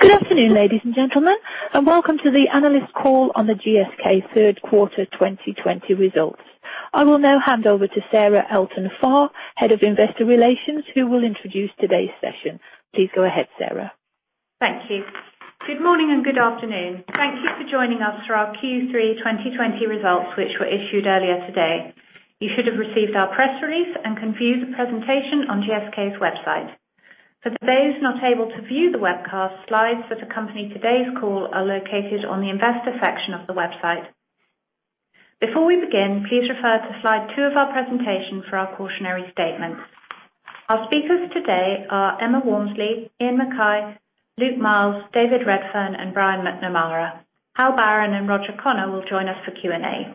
Good afternoon, ladies and gentlemen, and welcome to the analyst call on the GSK third quarter 2020 results. I will now hand over to Sarah Elton-Farr, Head of Investor Relations, who will introduce today's session. Please go ahead, Sarah. Thank you. Good morning and good afternoon. Thank you for joining us for our Q3 2020 results, which were issued earlier today. You should have received our press release and can view the presentation on GSK's website. For those not able to view the webcast, slides that accompany today's call are located on the investor section of the website. Before we begin, please refer to slide two of our presentation for our cautionary statement. Our speakers today are Emma Walmsley, Iain Mackay, Luke Miels, David Redfern, and Brian McNamara. Hal Barron and Roger Connor will join us for Q&A.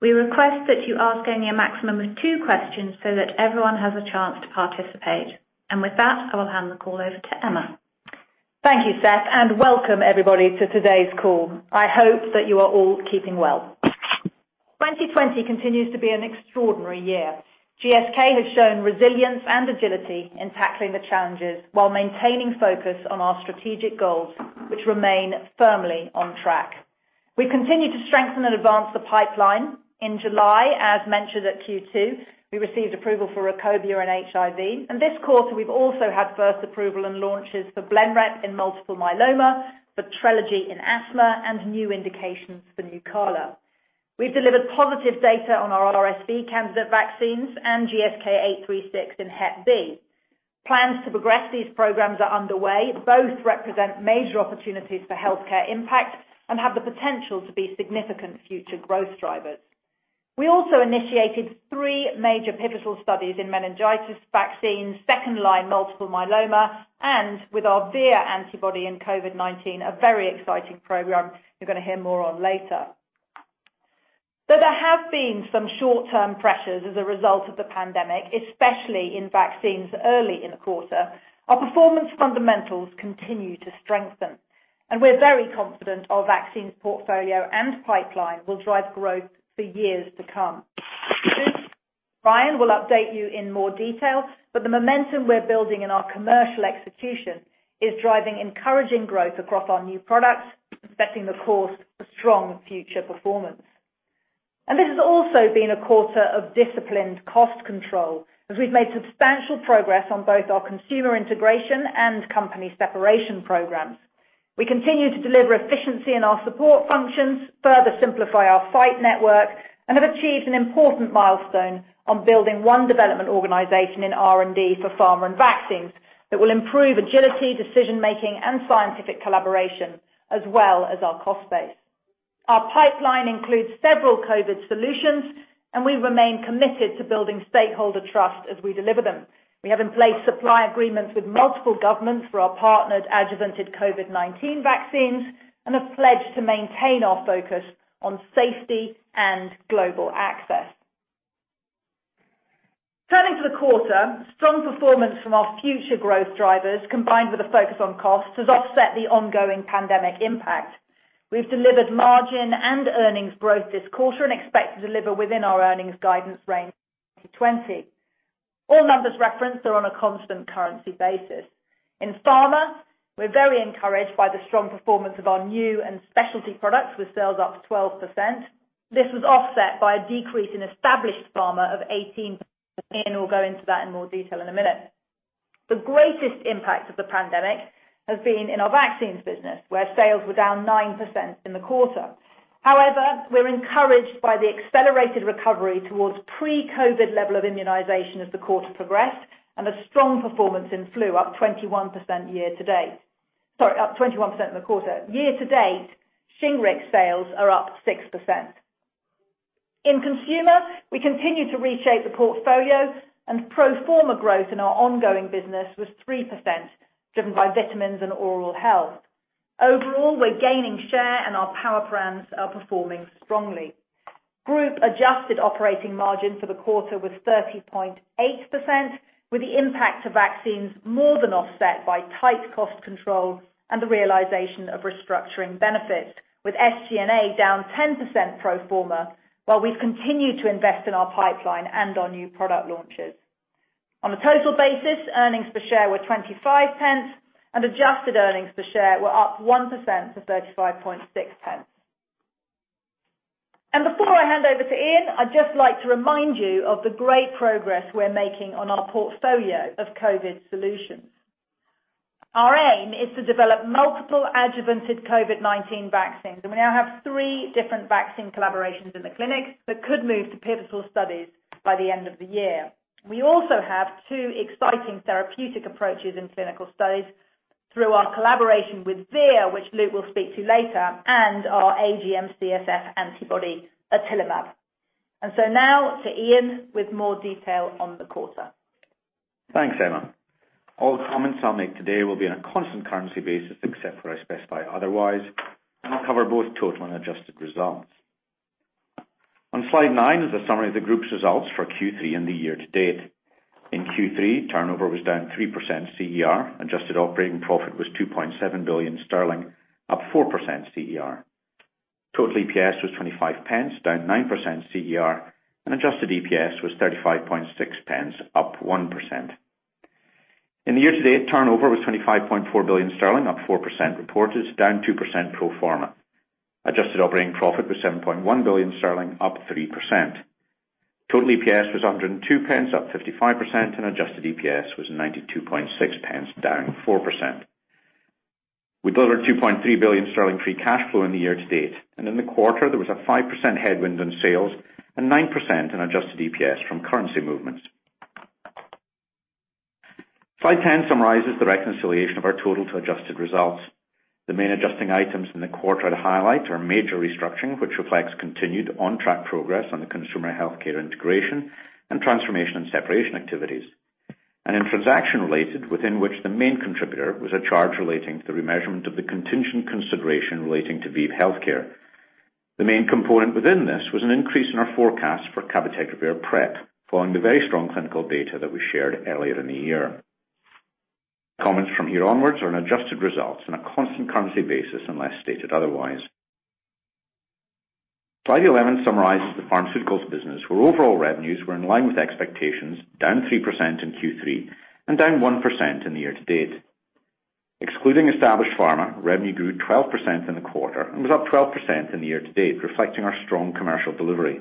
We request that you ask only a maximum of two questions so that everyone has a chance to participate. With that, I will hand the call over to Emma. Thank you, Sarah. Welcome everybody to today's call. I hope that you are all keeping well. 2020 continues to be an extraordinary year. GSK has shown resilience and agility in tackling the challenges while maintaining focus on our strategic goals, which remain firmly on track. We've continued to strengthen and advance the pipeline. In July, as mentioned at Q2, we received approval for RUKOBIA in HIV. This quarter, we've also had first approval and launches for BLENREP in multiple myeloma, for TRELEGY in asthma, and new indications for NUCALA. We've delivered positive data on our RSV candidate vaccines and GSK3228836 in Hep B. Plans to progress these programs are underway. Both represent major opportunities for healthcare impact and have the potential to be significant future growth drivers. We also initiated three major pivotal studies in meningitis vaccines, second-line multiple myeloma, and with our Vir antibody in COVID-19, a very exciting program you're going to hear more on later. There have been some short-term pressures as a result of the pandemic, especially in vaccines early in the quarter, our performance fundamentals continue to strengthen, and we're very confident our vaccines portfolio and pipeline will drive growth for years to come. Brian will update you in more detail, but the momentum we're building in our commercial execution is driving encouraging growth across our new products, setting the course for strong future performance. This has also been a quarter of disciplined cost control, as we've made substantial progress on both our consumer integration and company separation programs. We continue to deliver efficiency in our support functions, further simplify our supply network, and have achieved an important milestone on building one development organization in R&D for pharma and vaccines that will improve agility, decision-making, and scientific collaboration, as well as our cost base. Our pipeline includes several COVID solutions, and we remain committed to building stakeholder trust as we deliver them. We have in place supply agreements with multiple governments for our partnered adjuvanted COVID-19 vaccines and have pledged to maintain our focus on safety and global access. Turning to the quarter, strong performance from our future growth drivers, combined with a focus on cost, has offset the ongoing pandemic impact. We've delivered margin and earnings growth this quarter and expect to deliver within our earnings guidance range for 2020. All numbers referenced are on a constant currency basis. In pharma, we're very encouraged by the strong performance of our new and specialty products with sales up 12%. This was offset by a decrease in established pharma of 18%, and we'll go into that in more detail in a minute. The greatest impact of the pandemic has been in our vaccines business, where sales were down 9% in the quarter. However, we're encouraged by the accelerated recovery towards pre-COVID level of immunization as the quarter progressed and a strong performance in flu up 21% year to date. Sorry, up 21% in the quarter. Year to date, SHINGRIX sales are up 6%. In consumer, we continue to reshape the portfolio and pro forma growth in our ongoing business was 3%, driven by vitamins and oral health. Overall, we're gaining share and our power brands are performing strongly. Group-adjusted operating margin for the quarter was 30.8%, with the impact to vaccines more than offset by tight cost control and the realization of restructuring benefits, with SG&A down 10% pro forma, while we've continued to invest in our pipeline and our new product launches. On a total basis, earnings per share were 0.25, and adjusted earnings per share were up 1% to 0.356. Before I hand over to Iain, I'd just like to remind you of the great progress we're making on our portfolio of COVID solutions. Our aim is to develop multiple adjuvanted COVID-19 vaccines, and we now have three different vaccine collaborations in the clinic that could move to pivotal studies by the end of the year. We also have two exciting therapeutic approaches in clinical studies through our collaboration with Vir, which Luke will speak to later, and our GM-CSF antibody, otilimab. Now to Iain with more detail on the quarter. Thanks, Emma. All the comments I'll make today will be on a constant currency basis, except where I specify otherwise, and I'll cover both total and adjusted results. On slide nine is a summary of the group's results for Q3 and the year to date. In Q3, turnover was down 3% CER. Adjusted operating profit was 2.7 billion sterling, up 4% CER. Total EPS was 0.25, down 9% CER, and adjusted EPS was 0.356, up 1%. In the year to date, turnover was 25.4 billion sterling, up 4% reported, down 2% pro forma. Adjusted operating profit was 7.1 billion sterling, up 3%. Total EPS was 1.02, up 55%, and adjusted EPS was 0.926, down 4%. We delivered 2.3 billion sterling free cash flow in the year to date. In the quarter, there was a 5% headwind on sales and 9% in adjusted EPS from currency movements. Slide 10 summarizes the reconciliation of our total to adjusted results. The main adjusting items in the quarter to highlight are major restructuring, which reflects continued on-track progress on the Consumer Healthcare integration and transformation and separation activities. In transaction-related, within which the main contributor was a charge relating to the remeasurement of the contingent consideration relating to ViiV Healthcare. The main component within this was an increase in our forecast for cabotegravir PrEP, following the very strong clinical data that we shared earlier in the year. Comments from here onwards are on adjusted results on a constant currency basis, unless stated otherwise. Slide 11 summarizes the pharmaceuticals business, where overall revenues were in line with expectations, down 3% in Q3 and down 1% in the year to date. Excluding established pharma, revenue grew 12% in the quarter and was up 12% in the year to date, reflecting our strong commercial delivery.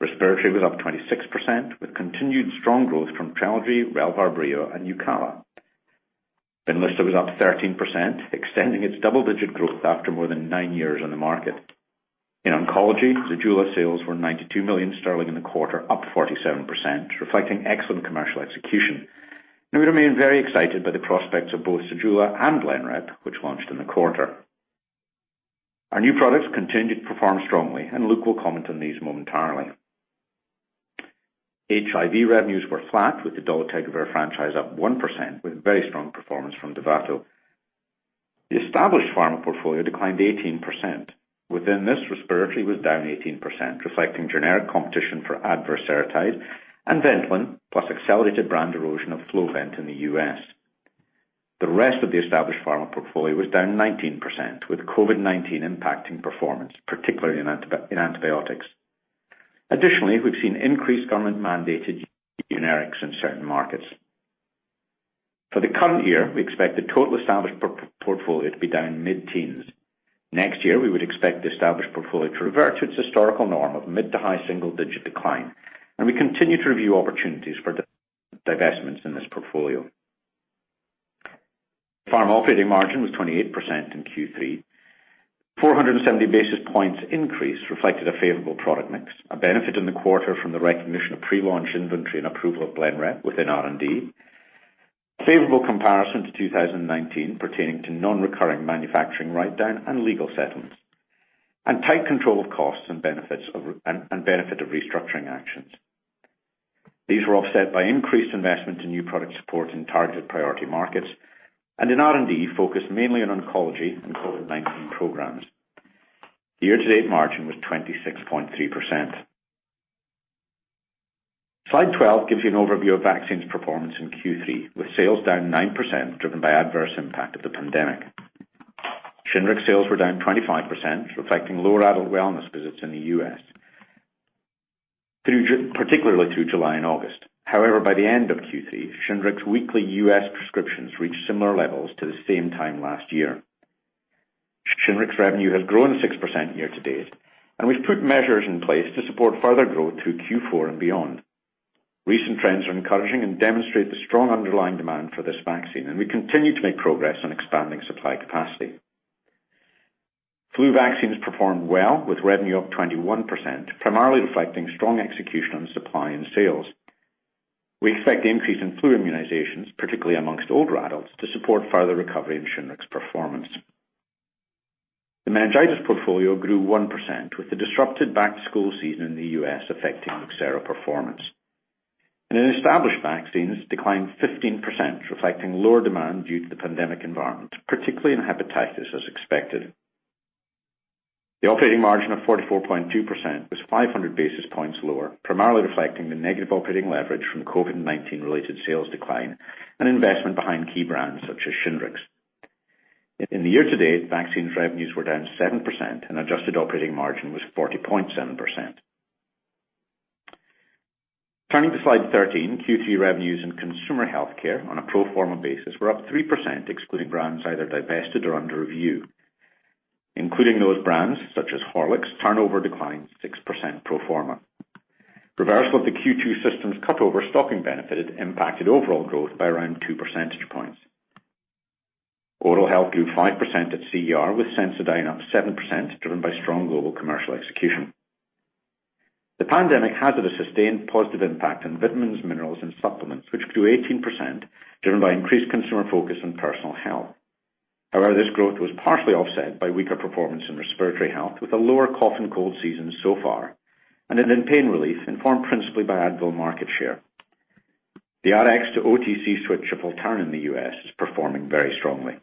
Respiratory was up 26%, with continued strong growth from TRELEGY, Relvar, BREO, and NUCALA. BENLYSTA was up 13%, extending its double-digit growth after more than nine years on the market. In oncology, ZEJULA sales were 92 million sterling in the quarter, up 47%, reflecting excellent commercial execution. We remain very excited by the prospects of both ZEJULA and BLENREP, which launched in the quarter. Our new products continue to perform strongly, and Luke will comment on these momentarily. HIV revenues were flat, with the dolutegravir franchise up 1%, with very strong performance from DOVATO. The established pharma portfolio declined 18%. Within this, respiratory was down 18%, reflecting generic competition for Advair, Seretide, and Ventolin, plus accelerated brand erosion of Flovent in the U.S. The rest of the established pharma portfolio was down 19%, with COVID-19 impacting performance, particularly in antibiotics. Additionally, we've seen increased government-mandated generics in certain markets. For the current year, we expect the total established portfolio to be down mid-teens. Next year, we would expect the established portfolio to revert to its historical norm of mid to high single-digit decline, and we continue to review opportunities for divestments in this portfolio. Pharma operating margin was 28% in Q3. 470 basis points increase reflected a favorable product mix, a benefit in the quarter from the recognition of pre-launch inventory and approval of BLENREP within R&D. Favorable comparison to 2019 pertaining to non-recurring manufacturing write-down and legal settlements. Tight control of costs and benefit of restructuring actions. These were offset by increased investment in new product support in targeted priority markets, and in R&D focused mainly on oncology and COVID-19 programs. The year-to-date margin was 26.3%. Slide 12 gives you an overview of vaccines performance in Q3, with sales down 9% driven by adverse impact of the pandemic. SHINGRIX sales were down 25%, reflecting lower adult wellness visits in the U.S., particularly through July and August. However, by the end of Q3, SHINGRIX weekly US prescriptions reached similar levels to the same time last year. SHINGRIX revenue has grown 6% year to date. We've put measures in place to support further growth through Q4 and beyond. Recent trends are encouraging and demonstrate the strong underlying demand for this vaccine. We continue to make progress on expanding supply capacity. Flu vaccines performed well, with revenue up 21%, primarily reflecting strong execution on supply and sales. We expect the increase in flu immunizations, particularly amongst older adults, to support further recovery in SHINGRIX performance. The meningitis portfolio grew 1%, with the disrupted back-to-school season in the U.S. affecting MENVEO performance. In established vaccines, declined 15%, reflecting lower demand due to the pandemic environment, particularly in hepatitis, as expected. The operating margin of 44.2% was 500 basis points lower, primarily reflecting the negative operating leverage from COVID-19 related sales decline and investment behind key brands such as SHINGRIX. In the year to date, vaccines revenues were down 7% and adjusted operating margin was 40.7%. Turning to slide 13, Q3 revenues in consumer healthcare on a pro forma basis were up 3% excluding brands either divested or under review. Including those brands such as Horlicks, turnover declined 6% pro forma. Reversal of the Q2 systems cut over stocking benefited impacted overall growth by around two percentage points. Oral health grew 5% at CER, with Sensodyne up 7%, driven by strong global commercial execution. The pandemic has had a sustained positive impact on vitamins, minerals, and supplements, which grew 18%, driven by increased consumer focus on personal health. This growth was partially offset by weaker performance in respiratory health with a lower cough and cold season so far, and in pain relief informed principally by Advil market share. The Rx-to-OTC switch of Voltaren in the U.S. is performing very strongly.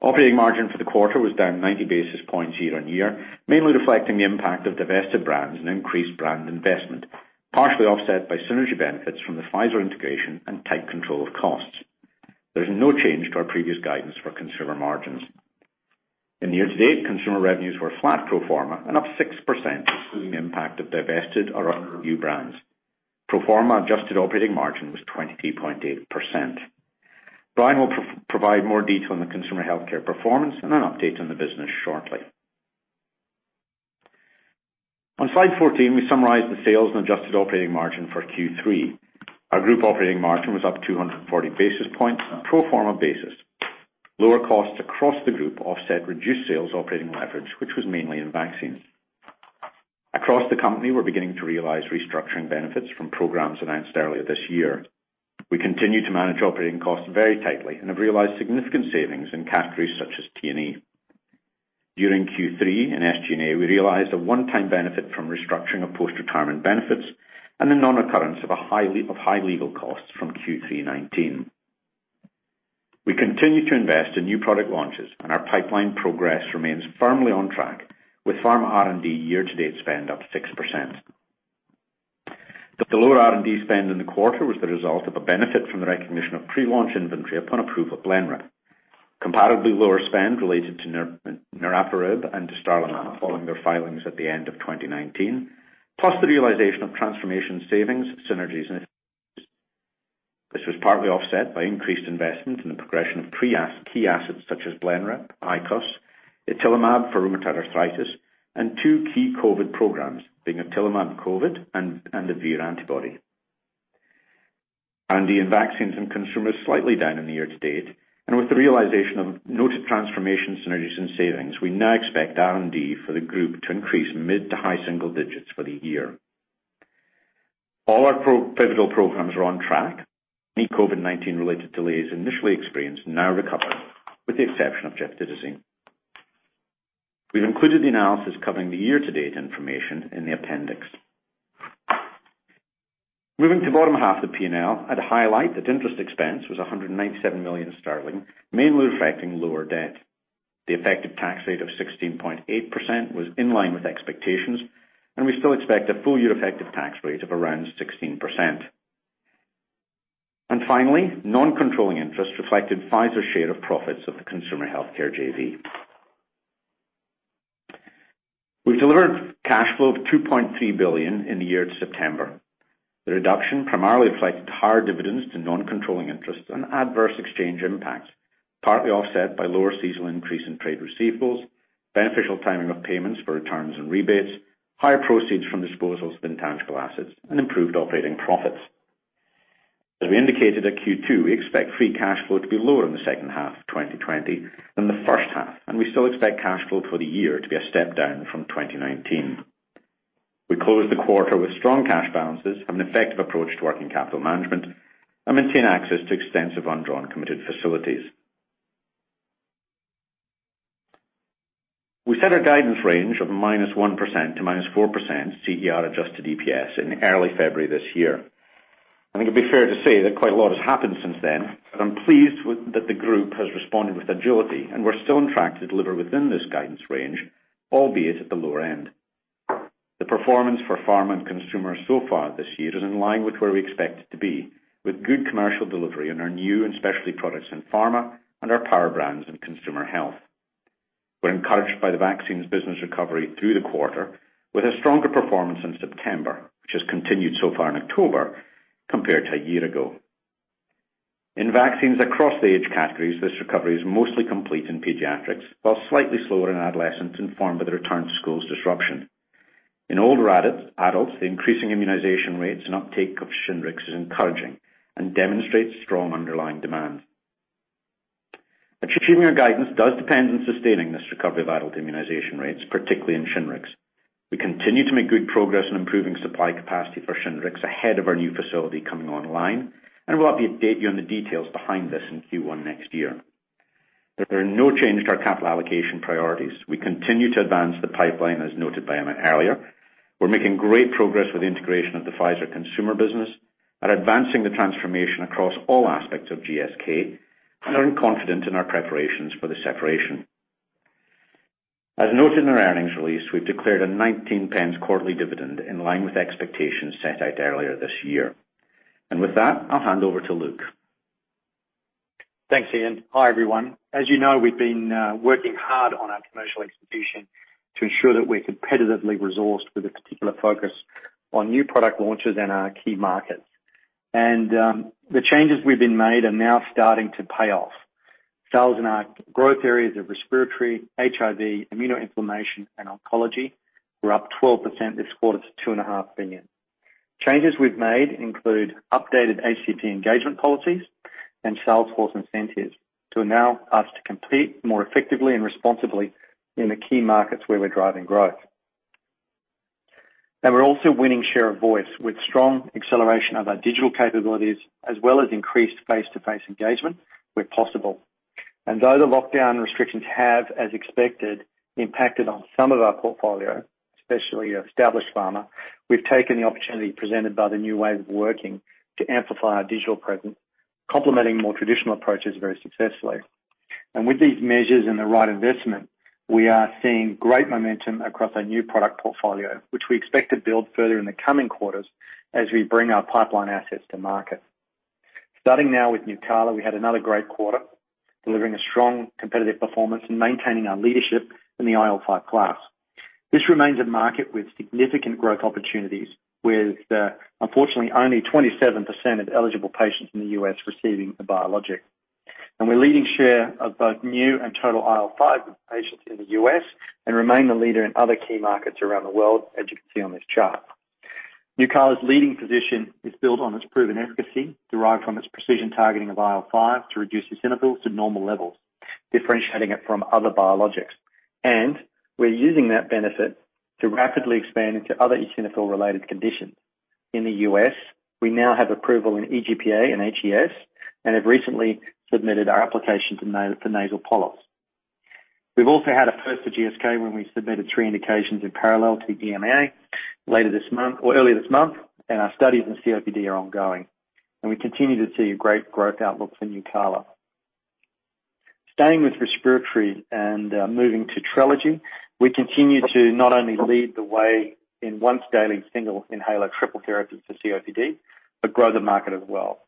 Operating margin for the quarter was down 90 basis points year-on-year, mainly reflecting the impact of divested brands and increased brand investment, partially offset by synergy benefits from the Pfizer integration and tight control of costs. There's no change to our previous guidance for consumer margins. Year-to-date, consumer revenues were flat pro forma and up 6% excluding the impact of divested or under review brands. Pro forma adjusted operating margin was 23.8%. Brian will provide more detail on the consumer healthcare performance and an update on the business shortly. On slide 14, we summarize the sales and adjusted operating margin for Q3. Our group operating margin was up 240 basis points on a pro forma basis. Lower costs across the group offset reduced sales operating leverage, which was mainly in vaccines. Across the company, we are beginning to realize restructuring benefits from programs announced earlier this year. We continue to manage operating costs very tightly and have realized significant savings in categories such as T&E. During Q3, in SG&A, we realized a one-time benefit from restructuring of post-retirement benefits and the non-recurrence of high legal costs from Q3 2019. Our pipeline progress remains firmly on track with pharma R&D year-to-date spend up 6%. The lower R&D spend in the quarter was the result of a benefit from the recognition of pre-launch inventory upon approval of BLENREP. Comparably lower spend related to niraparib and dostarlimab following their filings at the end of 2019, plus the realization of transformation savings, synergies, and efficiencies. This was partly offset by increased investment in the progression of key assets such as BLENREP, ICOS, otilimab for rheumatoid arthritis, and two key COVID programs, being otilimab COVID and the Vir antibody. R&D in vaccines and consumers slightly down in the year to date. With the realization of noted transformation synergies and savings, we now expect R&D for the group to increase mid to high single digits for the year. All our pivotal programs are on track. Any COVID-19 related delays initially experienced now recovered, with the exception of gepotidacin. We've included the analysis covering the year-to-date information in the appendix. Moving to bottom half of the P&L, I'd highlight that interest expense was 197 million sterling, mainly reflecting lower debt. The effective tax rate of 16.8% was in line with expectations. We still expect a full-year effective tax rate of around 16%. Finally, non-controlling interest reflected Pfizer's share of profits of the consumer healthcare JV. We've delivered cash flow of 2.3 billion in the year to September. The reduction primarily reflected higher dividends to non-controlling interests and Advair exchange impacts, partly offset by lower seasonal increase in trade receivables, beneficial timing of payments for returns and rebates, higher proceeds from disposals of intangible assets, and improved operating profits. As we indicated at Q2, we expect free cash flow to be lower in the second half of 2020 than the first half, and we still expect cash flow for the year to be a step down from 2019. We closed the quarter with strong cash balances, have an effective approach to working capital management, and maintain access to extensive undrawn committed facilities. We set our guidance range of -1% to -4% CER adjusted EPS in early February this year. I think it'd be fair to say that quite a lot has happened since then, but I'm pleased that the group has responded with agility, and we're still on track to deliver within this guidance range, albeit at the lower end. The performance for pharma and consumer so far this year is in line with where we expect it to be, with good commercial delivery in our new and specialty products in pharma and our power brands in consumer health. We're encouraged by the vaccines business recovery through the quarter with a stronger performance in September, which has continued so far in October compared to a year ago. In vaccines across the age categories, this recovery is mostly complete in pediatrics, while slightly slower in adolescents informed by the return to schools disruption. In older adults, the increasing immunization rates and uptake of SHINGRIX is encouraging and demonstrates strong underlying demand. Achieving our guidance does depend on sustaining this recovery of adult immunization rates, particularly in SHINGRIX. We continue to make good progress in improving supply capacity for SHINGRIX ahead of our new facility coming online, and we'll update you on the details behind this in Q1 next year. There are no change to our capital allocation priorities. We continue to advance the pipeline, as noted by Emma earlier. We're making great progress with the integration of the Pfizer consumer business and advancing the transformation across all aspects of GSK and are confident in our preparations for the separation. As noted in our earnings release, we've declared a 0.19 quarterly dividend in line with expectations set out earlier this year. With that, I'll hand over to Luke. Thanks, Iain. Hi, everyone. As you know, we've been working hard on our commercial execution to ensure that we're competitively resourced with a particular focus on new product launches in our key markets. The changes we've made are now starting to pay off. Sales in our growth areas of respiratory, HIV, immunoinflammation, and oncology were up 12% this quarter to 2.5 billion. Changes we've made include updated HCP engagement policies and sales force incentives to allow us to compete more effectively and responsibly in the key markets where we're driving growth. We're also winning share of voice with strong acceleration of our digital capabilities as well as increased face-to-face engagement where possible. Though the lockdown restrictions have, as expected, impacted on some of our portfolio, especially established pharma, we've taken the opportunity presented by the new ways of working to amplify our digital presence, complementing more traditional approaches very successfully. With these measures and the right investment, we are seeing great momentum across our new product portfolio, which we expect to build further in the coming quarters as we bring our pipeline assets to market. Starting now with NUCALA, we had another great quarter, delivering a strong competitive performance and maintaining our leadership in the IL-5 class. This remains a market with significant growth opportunities, with unfortunately only 27% of eligible patients in the U.S. receiving a biologic. We're leading share of both new and total IL-5 patients in the U.S., and remain the leader in other key markets around the world, as you can see on this chart. NUCALA's leading position is built on its proven efficacy, derived from its precision targeting of IL-5 to reduce eosinophils to normal levels, differentiating it from other biologics. We're using that benefit to rapidly expand into other eosinophil-related conditions. In the U.S., we now have approval in EGPA and HES, and have recently submitted our application for nasal polyps. We've also had a first for GSK when we submitted three indications in parallel to the EMA earlier this month, and our studies in COPD are ongoing. We continue to see a great growth outlook for NUCALA. Staying with respiratory and moving to TRELEGY, we continue to not only lead the way in once-daily single inhaler triple therapy for COPD, but grow the market as well.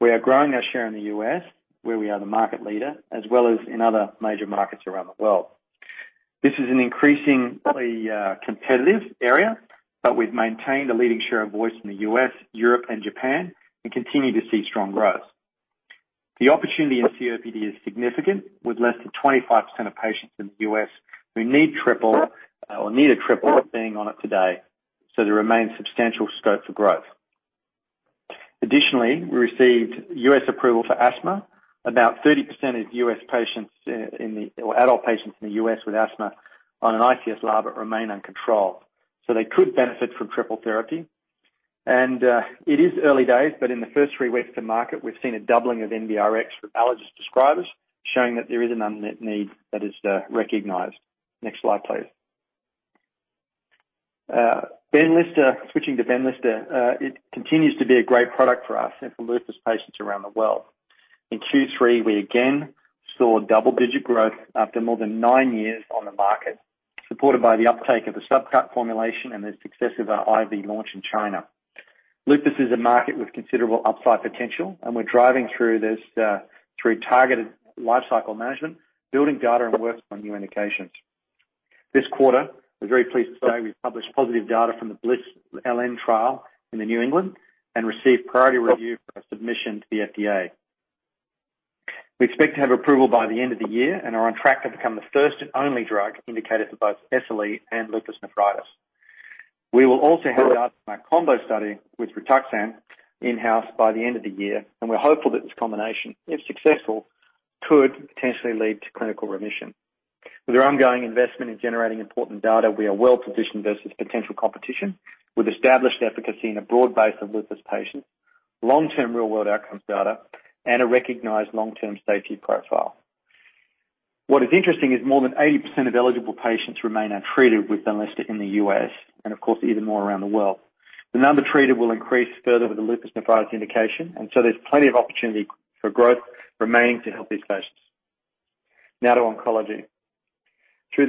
We are growing our share in the U.S., where we are the market leader, as well as in other major markets around the world. This is an increasingly competitive area, but we've maintained a leading share of voice in the U.S., Europe, and Japan, and continue to see strong growth. The opportunity in COPD is significant, with less than 25% of patients in the U.S. who need a triple being on it today, so there remains substantial scope for growth. Additionally, we received U.S. approval for asthma. About 30% of adult patients in the U.S. with asthma on an ICS/LABA remain uncontrolled, so they could benefit from triple therapy. It is early days, but in the first three weeks to market, we've seen a doubling of NBRx with allergist prescribers, showing that there is an unmet need that is recognized. Next slide, please. Switching to BENLYSTA. It continues to be a great product for us and for lupus patients around the world. In Q3, we again saw double-digit growth after more than nine years on the market, supported by the uptake of the subcut formulation and the success of our IV launch in China. Lupus is a market with considerable upside potential, and we're driving through targeted lifecycle management, building data, and working on new indications. This quarter, we're very pleased to say we've published positive data from the BLISS-LN trial into New England and received priority review for our submission to the FDA. We expect to have approval by the end of the year and are on track to become the first and only drug indicated for both SLE and lupus nephritis. We will also have data from our combo study with Rituxan in-house by the end of the year, and we're hopeful that this combination, if successful, could potentially lead to clinical remission. With our ongoing investment in generating important data, we are well-positioned versus potential competition, with established efficacy in a broad base of lupus patients, long-term real-world outcomes data, and a recognized long-term safety profile. What is interesting is more than 80% of eligible patients remain untreated with BENLYSTA in the U.S., and of course, even more around the world. The number treated will increase further with the lupus nephritis indication. There's plenty of opportunity for growth remaining to help these patients. Now to oncology. Although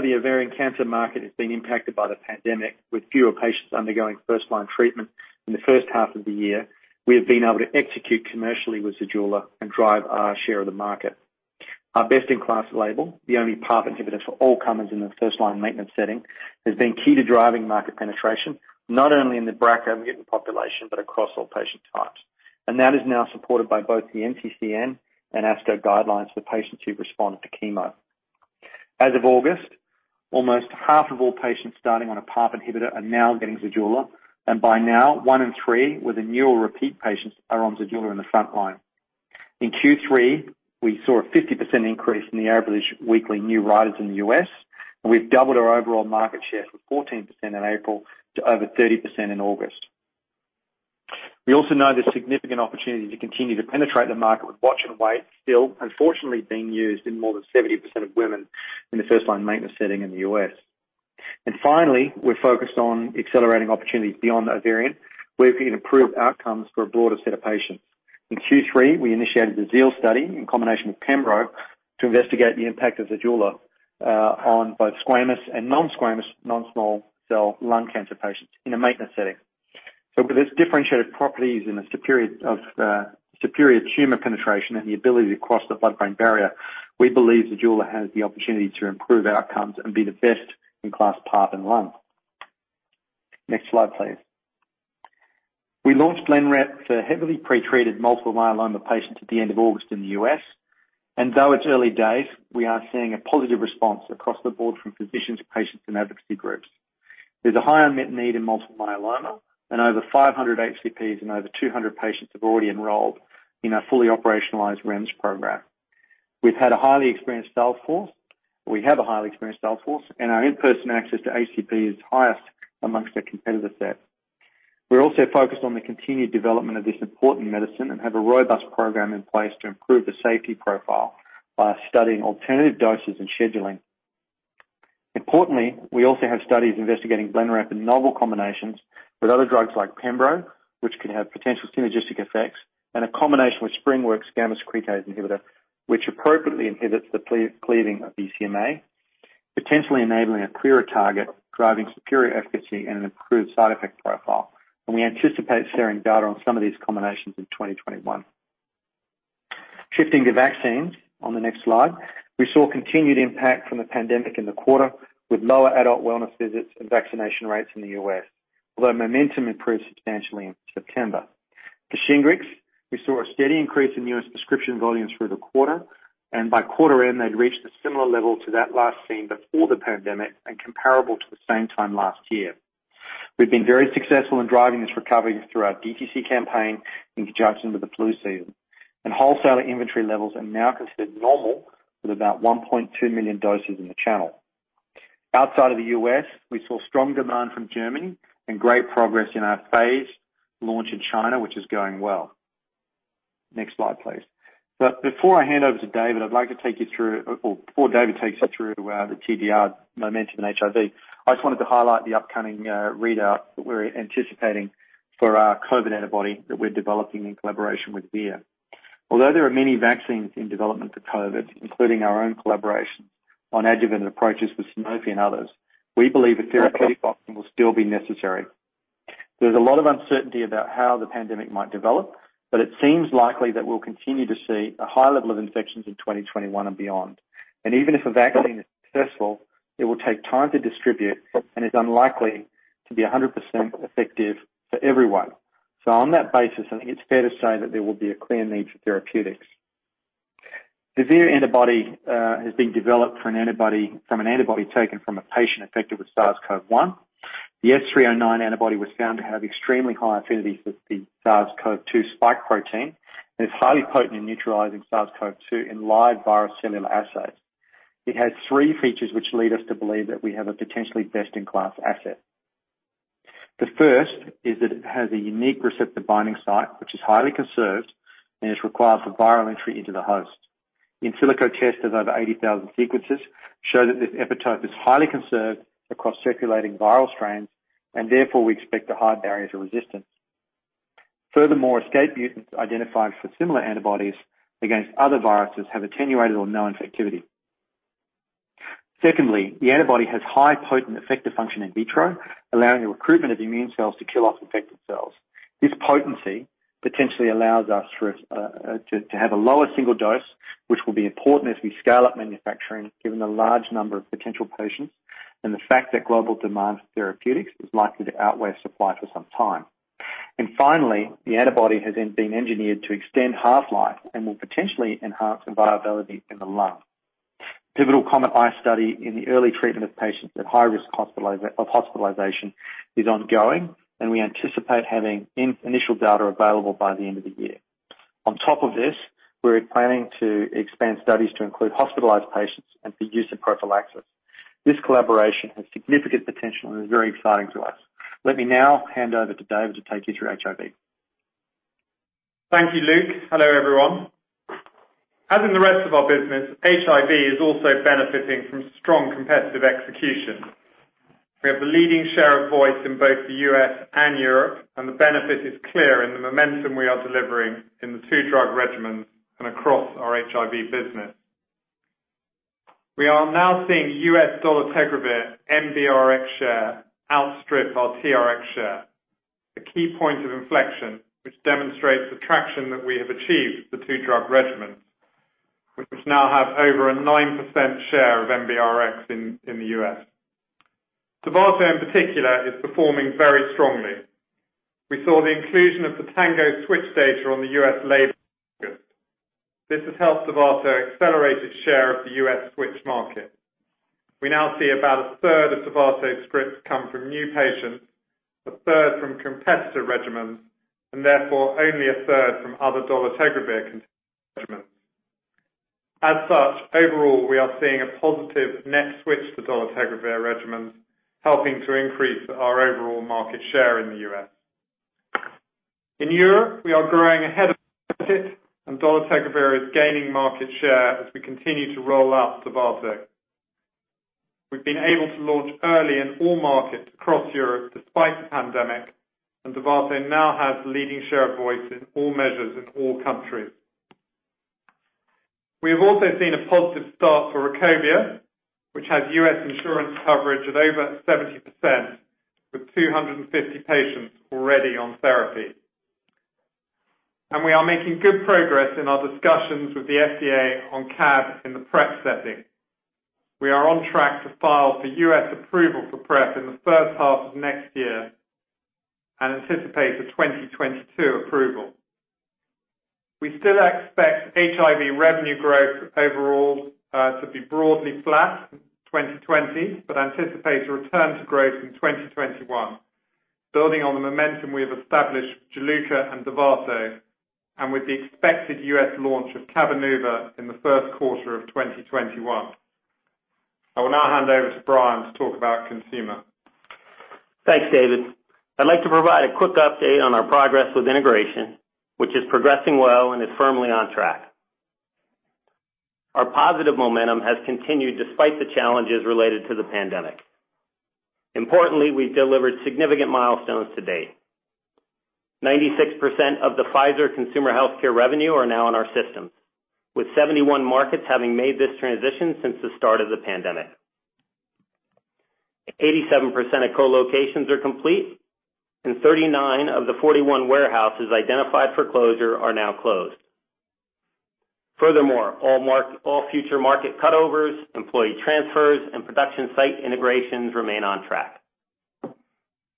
the ovarian cancer market has been impacted by the pandemic, with fewer patients undergoing first-line treatment in the first half of the year, we have been able to execute commercially with ZEJULA and drive our share of the market. Our best-in-class label, the only PARP inhibitor for all comers in the first-line maintenance setting, has been key to driving market penetration, not only in the BRCA-mutant population, but across all patient types. That is now supported by both the NCCN and ASCO guidelines for patients who've responded to chemo. As of August, almost half of all patients starting on a PARP inhibitor are now getting ZEJULA, and by now, 1/3 with annual repeat patients are on ZEJULA in the front line. In Q3, we saw a 50% increase in the average weekly new writers in the U.S. We've doubled our overall market share from 14% in April to over 30% in August. We also know there's significant opportunity to continue to penetrate the market, with watch and wait still unfortunately being used in more than 70% of women in the first-line maintenance setting in the U.S. Finally, we're focused on accelerating opportunities beyond ovarian, working in improved outcomes for a broader set of patients. In Q3, we initiated the ZEAL study in combination with pembro to investigate the impact of ZEJULA on both squamous and non-squamous non-small cell lung cancer patients in a maintenance setting. With its differentiated properties of superior tumor penetration and the ability to cross the blood-brain barrier, we believe ZEJULA has the opportunity to improve outcomes and be the best in class PARP in lung. Next slide, please. We launched BLENREP for heavily pretreated multiple myeloma patients at the end of August in the U.S., though it's early days, we are seeing a positive response across the board from physicians, patients, and advocacy groups. There's a high unmet need in multiple myeloma, over 500 HCPs and over 200 patients have already enrolled in our fully operationalized REMS program. We have a highly experienced sales force, our in-person access to HCP is highest amongst our competitor set. We're also focused on the continued development of this important medicine and have a robust program in place to improve the safety profile by studying alternative doses and scheduling. Importantly, we also have studies investigating BLENREP in novel combinations with other drugs like pembro, which can have potential synergistic effects, and a combination with SpringWorks' gamma secretase inhibitor, which appropriately inhibits the cleaving of BCMA, potentially enabling a clearer target, driving superior efficacy and an improved side effect profile. We anticipate sharing data on some of these combinations in 2021. Shifting to vaccines, on the next slide, we saw continued impact from the pandemic in the quarter with lower adult wellness visits and vaccination rates in the U.S., although momentum improved substantially in September. For SHINGRIX, we saw a steady increase in US prescription volumes through the quarter, and by quarter end, they'd reached a similar level to that last seen before the pandemic and comparable to the same time last year. We've been very successful in driving this recovery through our DTC campaign in conjunction with the flu season, and wholesaler inventory levels are now considered normal with about 1.2 million doses in the channel. Outside of the U.S., we saw strong demand from Germany and great progress in our phase launch in China, which is going well. Next slide, please. Before David takes you through the 2DR momentum in HIV, I just wanted to highlight the upcoming readout that we're anticipating for our COVID antibody that we're developing in collaboration with Vir. Although there are many vaccines in development for COVID, including our own collaboration on adjuvant approaches with Sanofi and others, we believe a therapeutic option will still be necessary. There's a lot of uncertainty about how the pandemic might develop, but it seems likely that we'll continue to see a high level of infections in 2021 and beyond. Even if a vaccine is successful, it will take time to distribute and is unlikely to be 100% effective for everyone. On that basis, I think it's fair to say that there will be a clear need for therapeutics. The Vir antibody has been developed from an antibody taken from a patient infected with SARS-CoV-1. The S309 antibody was found to have extremely high affinity for the SARS-CoV-2 spike protein, and it's highly potent in neutralizing SARS-CoV-2 in live virus cellular assays. It has three features which lead us to believe that we have a potentially best-in-class asset. The first is that it has a unique receptor binding site, which is highly conserved, and it's required for viral entry into the host. In silico tests of over 80,000 sequences show that this epitope is highly conserved across circulating viral strains, and therefore we expect a high barrier to resistance. Furthermore, escape mutants identified for similar antibodies against other viruses have attenuated or no infectivity. Secondly, the antibody has high potent effector function in vitro, allowing the recruitment of immune cells to kill off infected cells. This potency potentially allows us to have a lower single dose, which will be important as we scale up manufacturing given the large number of potential patients and the fact that global demand for therapeutics is likely to outweigh supply for some time. Finally, the antibody has been engineered to extend half-life and will potentially enhance availability in the lung. Pivotal COMET-ICE study in the early treatment of patients at high risk of hospitalization is ongoing, and we anticipate having initial data available by the end of the year. On top of this, we're planning to expand studies to include hospitalized patients and for use in prophylaxis. This collaboration has significant potential and is very exciting to us. Let me now hand over to David to take you through HIV. Thank you, Luke. Hello, everyone. As in the rest of our business, HIV is also benefiting from strong competitive execution. We have the leading share of voice in both the U.S. and Europe, and the benefit is clear in the momentum we are delivering in the two-drug regimens and across our HIV business. We are now seeing US dolutegravir NBRx share outstrip our TRx share, a key point of inflection which demonstrates the traction that we have achieved with the two-drug regimens, which now have over a 9% share of NBRx in the U.S. Dovato in particular is performing very strongly. We saw the inclusion of the TANGO switch data on the US label in August. This has helped Dovato accelerate its share of the US switch market. We now see about a third of Dovato scripts come from new patients, a third from competitor regimens, and therefore only a third from other dolutegravir regimens. As such, overall, we are seeing a positive net switch to dolutegravir regimens, helping to increase our overall market share in the U.S. In Europe, we are growing ahead of budget, and dolutegravir is gaining market share as we continue to roll out Dovato. We've been able to launch early in all markets across Europe despite the pandemic, and Dovato now has leading share of voice in all measures in all countries. We have also seen a positive start for RUKOBIA, which has U.S. insurance coverage at over 70%, with 250 patients already on therapy. We are making good progress in our discussions with the FDA on CAB in the PrEP setting. We are on track to file for US approval for PrEP in the first half of next year and anticipate a 2022 approval. We still expect HIV revenue growth overall to be broadly flat in 2020, but anticipate a return to growth in 2021, building on the momentum we have established with JULUCA and DOVATO and with the expected US launch of CABENUVA in the first quarter of 2021. I will now hand over to Brian to talk about Consumer. Thanks, David. I'd like to provide a quick update on our progress with integration, which is progressing well and is firmly on track. Our positive momentum has continued despite the challenges related to the pandemic. Importantly, we've delivered significant milestones to date. 96% of the Pfizer Consumer Healthcare revenue are now in our systems, with 71 markets having made this transition since the start of the pandemic. 87% of co-locations are complete, and 39 of the 41 warehouses identified for closure are now closed. All future market cutovers, employee transfers, and production site integrations remain on track.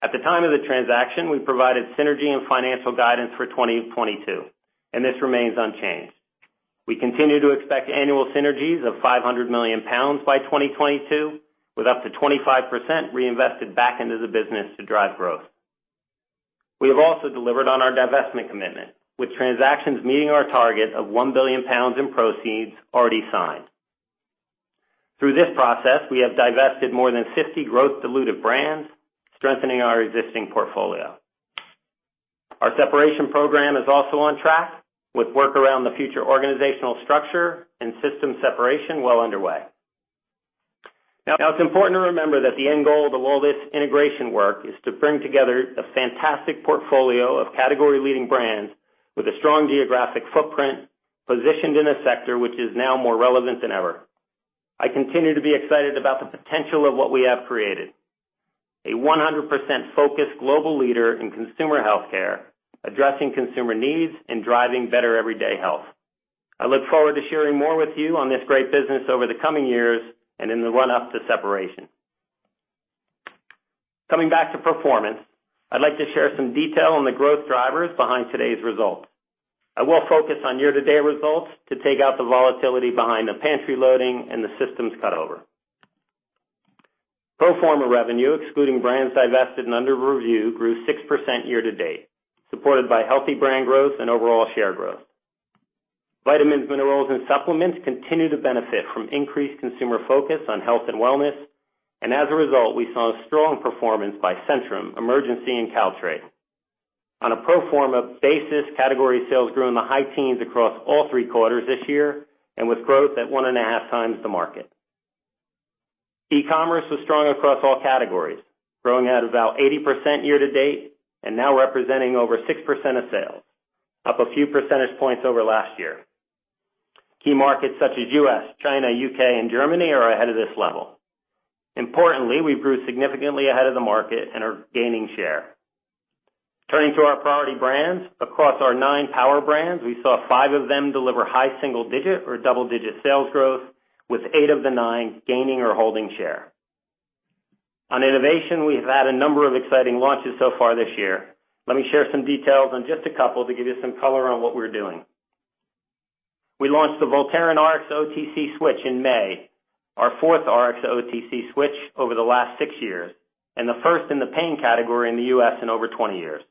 At the time of the transaction, we provided synergy and financial guidance for 2022, and this remains unchanged. We continue to expect annual synergies of 500 million pounds by 2022, with up to 25% reinvested back into the business to drive growth. We have also delivered on our divestment commitment, with transactions meeting our target of 1 billion pounds in proceeds already signed. Through this process, we have divested more than 50 growth dilutive brands, strengthening our existing portfolio. Our separation program is also on track, with work around the future organizational structure and system separation well underway. It's important to remember that the end goal of all this integration work is to bring together a fantastic portfolio of category-leading brands with a strong geographic footprint positioned in a sector which is now more relevant than ever. I continue to be excited about the potential of what we have created. A 100% focused global leader in consumer healthcare, addressing consumer needs and driving better everyday health. I look forward to sharing more with you on this great business over the coming years and in the run-up to separation. Coming back to performance, I'd like to share some detail on the growth drivers behind today's result. I will focus on year-to-date results to take out the volatility behind the pantry loading and the systems cutover. Pro forma revenue, excluding brands divested and under review, grew 6% year-to-date, supported by healthy brand growth and overall share growth. Vitamins, minerals, and supplements continue to benefit from increased consumer focus on health and wellness, and as a result, we saw a strong performance by Centrum, Emergen-C, and Caltrate. On a pro forma basis, category sales grew in the high teens across all three quarters this year, and with growth at 1.5 times the market. E-commerce was strong across all categories, growing at about 80% year-to-date, and now representing over 6% of sales, up a few percentage points over last year. Key markets such as U.S., China, U.K., and Germany are ahead of this level. Importantly, we've grew significantly ahead of the market and are gaining share. Turning to our priority brands. Across our nine power brands, we saw five of them deliver high single digit or double-digit sales growth, with eight of the nine gaining or holding share. On innovation, we have had a number of exciting launches so far this year. Let me share some details on just a couple to give you some color on what we're doing. We launched the Voltaren Rx-to-OTC switch in May, our fourth Rx-to-OTC switch over the last six years, and the first in the pain category in the U.S. in over 20 years.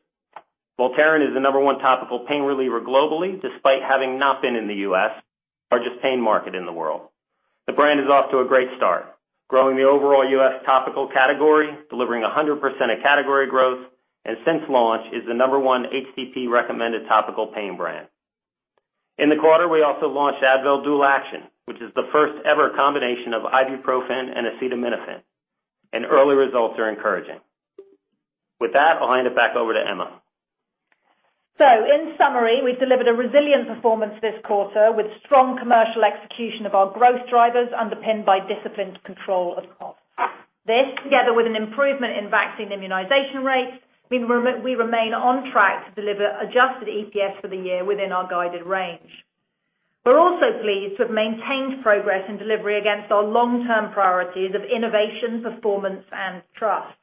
Voltaren is the number one topical pain reliever globally, despite having not been in the U.S., largest pain market in the world. The brand is off to a great start, growing the overall US topical category, delivering 100% of category growth, and since launch, is the number one HCP-recommended topical pain brand. In the quarter, we also launched Advil Dual Action, which is the first-ever combination of ibuprofen and acetaminophen. Early results are encouraging. With that, I'll hand it back over to Emma. In summary, we've delivered a resilient performance this quarter with strong commercial execution of our growth drivers underpinned by disciplined control of costs. This, together with an improvement in vaccine immunization rates, we remain on track to deliver adjusted EPS for the year within our guided range. We're also pleased to have maintained progress in delivery against our long-term priorities of innovation, performance, and trust.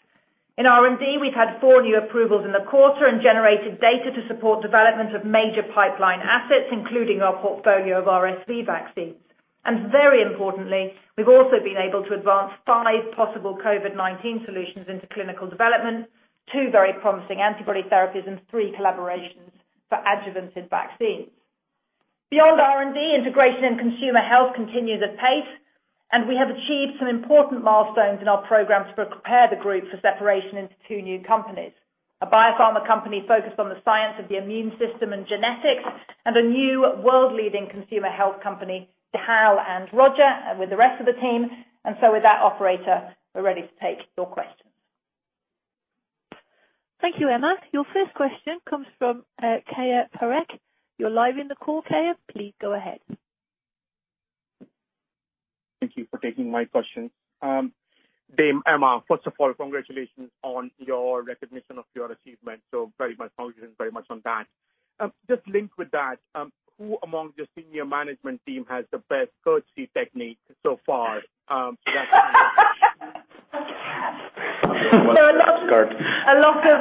In R&D, we've had four new approvals in the quarter and generated data to support development of major pipeline assets, including our portfolio of RSV vaccines. Very importantly, we've also been able to advance five possible COVID-19 solutions into clinical development, two very promising antibody therapies, and three collaborations for adjuvanted vaccines. Beyond R&D, integration and consumer health continues at pace, and we have achieved some important milestones in our program to prepare the group for separation into two new companies. A biopharma company focused on the science of the immune system and genetics, and a new world-leading consumer health company to Hal and Roger and with the rest of the team. With that, operator, we're ready to take your questions. Thank you, Emma. Your first question comes from Keyur Parekh. You're live in the call, Keyur. Please go ahead. Thank you for taking my question. Dame Emma, first of all, congratulations on your recognition of your achievement. Very much congratulations on that. Just linked with that, who among the senior management team has the best curtsey technique so far? A lot of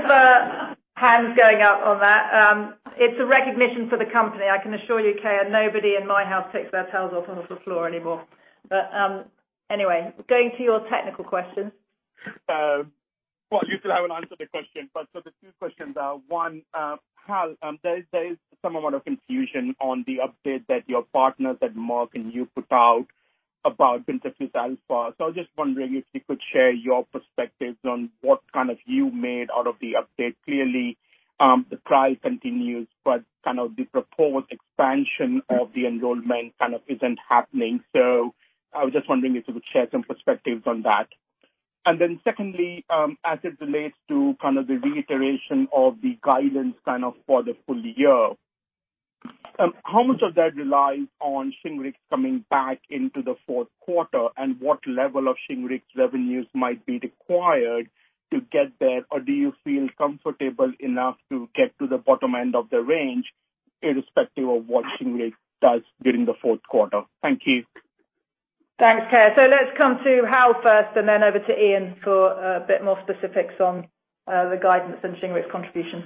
hands going up on that. It's a recognition for the company. I can assure you, Keyur, nobody in my house takes their towels off and onto the floor anymore. Anyway, going to your technical question. Well, you still haven't answered the question, but so the two questions are, one, Hal, there is some amount of confusion on the update that your partners at Merck and you put out about bintrafusp alfa. I was just wondering if you could share your perspectives on what kind of view made out of the update. Clearly, the trial continues, but the proposed expansion of the enrollment kind of isn't happening. I was just wondering if you could share some perspectives on that. Secondly, as it relates to the reiteration of the guidance for the full year, how much of that relies on SHINGRIX coming back into the fourth quarter, and what level of SHINGRIX revenues might be required to get there? Do you feel comfortable enough to get to the bottom end of the range, irrespective of what SHINGRIX does during the fourth quarter? Thank you. Thanks, Keyur. Let's come to Hal first and then over to Iain for a bit more specifics on the guidance and SHINGRIX contribution.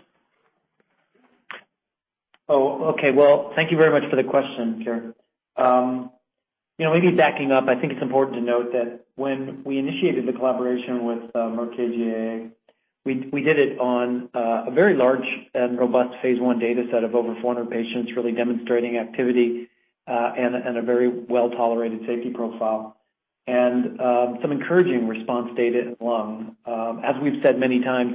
Oh, okay. Well, thank you very much for the question, Keyur. Maybe backing up, I think it's important to note that when we initiated the collaboration with Merck KGaA, we did it on a very large and robust phase I data set of over 400 patients, really demonstrating activity, and a very well-tolerated safety profile. Some encouraging response data in lung. As we've said many times,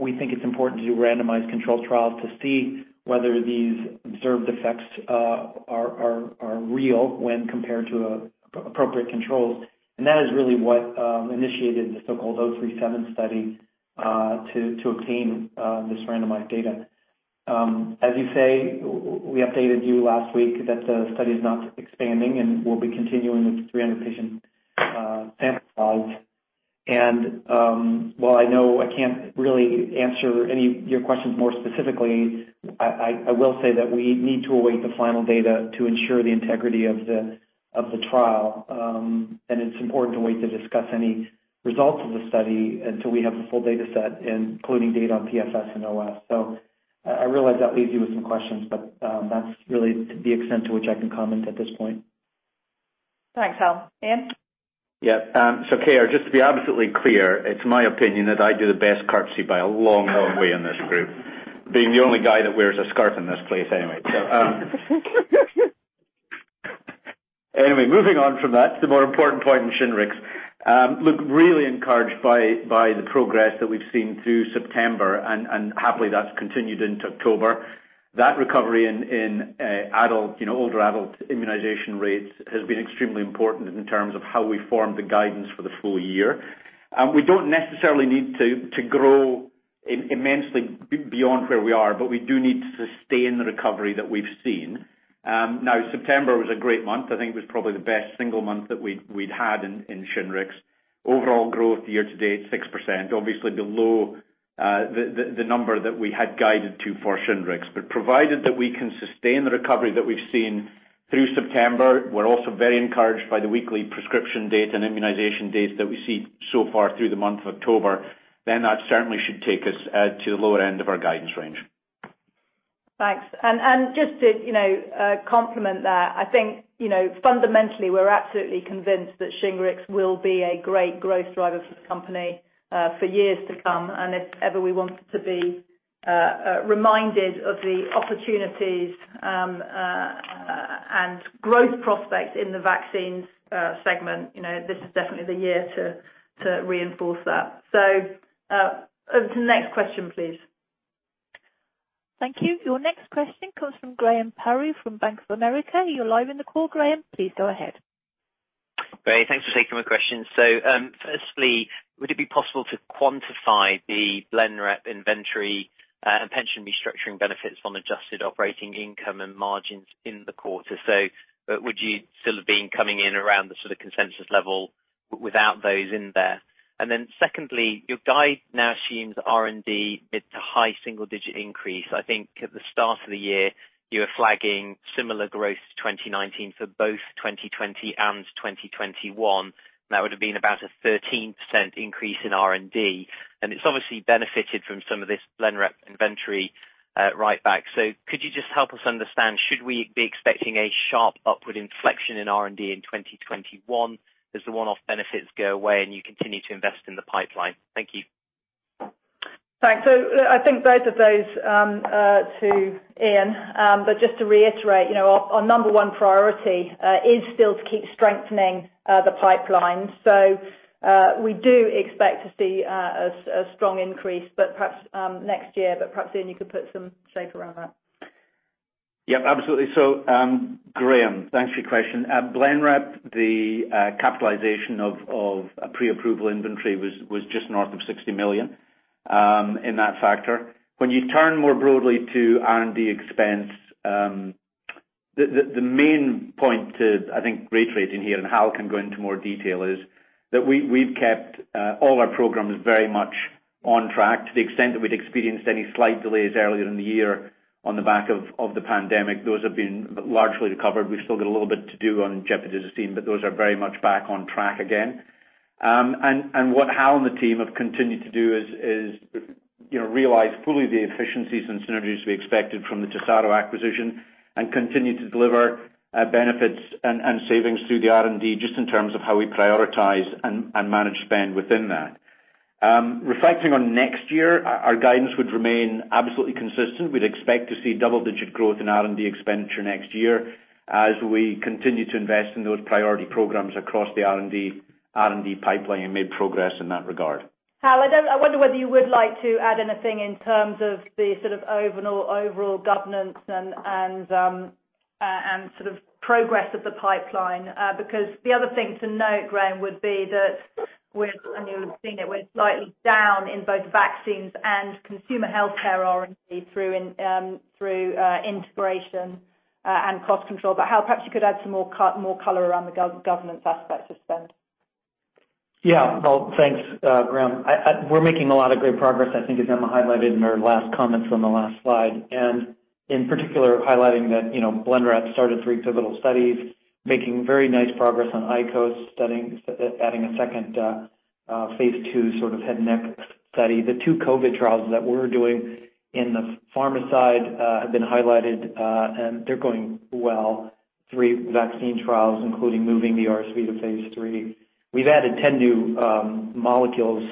we think it's important to do randomized controlled trials to see whether these observed effects are real when compared to appropriate controls. That is really what initiated the so-called 037 study, to obtain this randomized data. As you say, we updated you last week that the study is not expanding, and we'll be continuing with the 300 patient sample size. While I know I can't really answer any of your questions more specifically, I will say that we need to await the final data to ensure the integrity of the trial. It's important to wait to discuss any results of the study until we have the full data set, including data on PFS and OS. I realize that leaves you with some questions, but that's really the extent to which I can comment at this point. Thanks, Hal. Iain? Yeah. Keyur, just to be absolutely clear, it's my opinion that I do the best curtsey by a long, long way in this group. Being the only guy that wears a skirt in this place anyway. Anyway, moving on from that to the more important point in SHINGRIX. Look, really encouraged by the progress that we've seen through September, and happily that's continued into October. That recovery in older adult immunization rates has been extremely important in terms of how we form the guidance for the full year. We don't necessarily need to grow immensely beyond where we are, but we do need to sustain the recovery that we've seen. Now, September was a great month. I think it was probably the best single month that we'd had in SHINGRIX. Overall growth year-to-date, 6%, obviously below the number that we had guided to for SHINGRIX. Provided that we can sustain the recovery that we've seen through September, we're also very encouraged by the weekly prescription data and immunization data that we see so far through the month of October, then that certainly should take us to the lower end of our guidance range. Thanks. Just to complement that, I think, fundamentally, we're absolutely convinced that SHINGRIX will be a great growth driver for the company for years to come. If ever we want to be reminded of the opportunities and growth prospects in the vaccines segment, this is definitely the year to reinforce that. Over to the next question, please. Thank you. Your next question comes from Graham Parry from Bank of America. You're live in the call, Graham. Please go ahead. Great. Thanks for taking my question. Firstly, would it be possible to quantify the BLENREP inventory and pension restructuring benefits on adjusted operating income and margins in the quarter? Would you still have been coming in around the sort of consensus level without those in there? Secondly, your guide now assumes R&D mid to high single-digit increase. I think at the start of the year, you were flagging similar growth to 2019 for both 2020 and 2021. That would've been about a 13% increase in R&D, and it's obviously benefited from some of this BLENREP inventory -write-back. Could you just help us understand, should we be expecting a sharp upward inflection in R&D in 2021 as the one-off benefits go away and you continue to invest in the pipeline? Thank you. Thanks. I think both of those to Iain. Just to reiterate, our number one priority is still to keep strengthening the pipeline. We do expect to see a strong increase, but perhaps, next year. Perhaps, Iain, you could put some shape around that. Yep, absolutely. Graham, thanks for your question. BLENREP, the capitalization of a pre-approval inventory was just north of 60 million in that factor. When you turn more broadly to R&D expense, the main point to, I think, reiterate in here, and Hal can go into more detail, is that we've kept all our programs very much on track. To the extent that we'd experienced any slight delays earlier in the year on the back of the pandemic, those have been largely recovered. We've still got a little bit to do on gemcitabine but those are very much back on track again. What Hal and the team have continued to do is realize fully the efficiencies and synergies we expected from the TESARO acquisition and continue to deliver benefits and savings through the R&D, just in terms of how we prioritize and manage spend within that. Reflecting on next year, our guidance would remain absolutely consistent. We'd expect to see double-digit growth in R&D expenditure next year as we continue to invest in those priority programs across the R&D pipeline and made progress in that regard. Hal, I wonder whether you would like to add anything in terms of the sort of overall governance and sort of progress of the pipeline. The other thing to note, Graham, would be that we're, and you'll have seen it, we're slightly down in both vaccines and Consumer Healthcare R&D through integration and cost control. Hal, perhaps you could add some more color around the governance aspect of spend. Well, thanks, Graham. We're making a lot of great progress, I think as Emma highlighted in her last comments from the last slide, in particular highlighting that BLENREP started three pivotal studies, making very nice progress on ICOS adding a second phase II sort of head and neck study. The two COVID trials that we're doing in the pharma side have been highlighted, they're going well. Three vaccine trials, including moving the RSV to phase III. We've added 10 new molecules,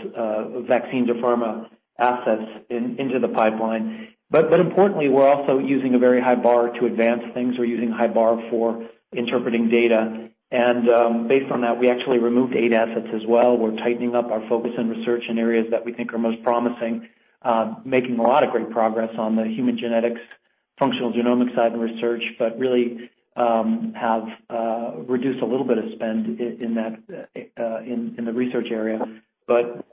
vaccine to pharma assets into the pipeline. Importantly, we're also using a very high bar to advance things. We're using a high bar for interpreting data. Based on that, we actually removed eight assets as well. We're tightening up our focus on research in areas that we think are most promising, making a lot of great progress on the human genetics functional genomics side of the research, really have reduced a little bit of spend in the research area.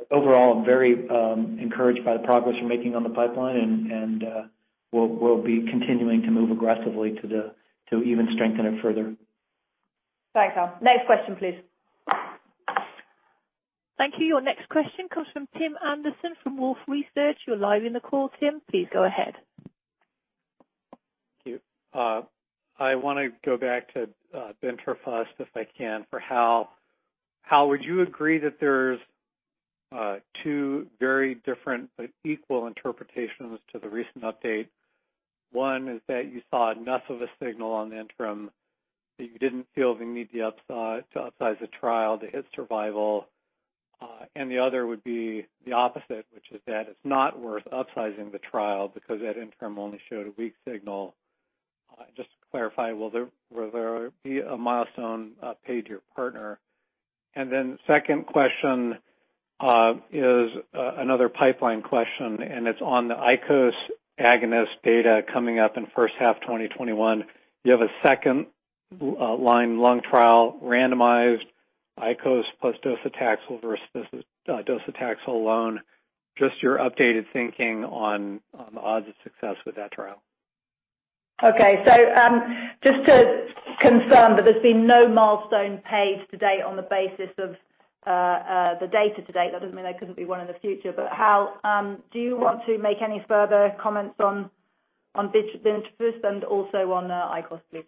Overall, very encouraged by the progress we're making on the pipeline, we'll be continuing to move aggressively to even strengthen it further. Thanks, Hal. Next question, please. Thank you. Your next question comes from Tim Anderson from Wolfe Research. You're live in the call, Tim. Please go ahead. Thank you. I want to go back to bintrafusp alfa if I can, for Hal. Hal, would you agree that there's two very different but equal interpretations to the recent update? One is that you saw enough of a signal on the interim that you didn't feel the need to upsize the trial to hit survival. The other would be the opposite, which is that it's not worth upsizing the trial because that interim only showed a weak signal. Just to clarify, will there be a milestone paid to your partner? Then second question is another pipeline question, and it's on the ICOS agonist data coming up in first half 2021. You have a second-line lung trial randomized ICOS plus docetaxel versus docetaxel alone. Just your updated thinking on the odds of success with that trial. Okay. Just to confirm that there's been no milestone paid to date on the basis of the data to date. That doesn't mean there couldn't be one in the future. Hal, do you want to make any further comments on bintrafusp alfa and also on ICOS, please?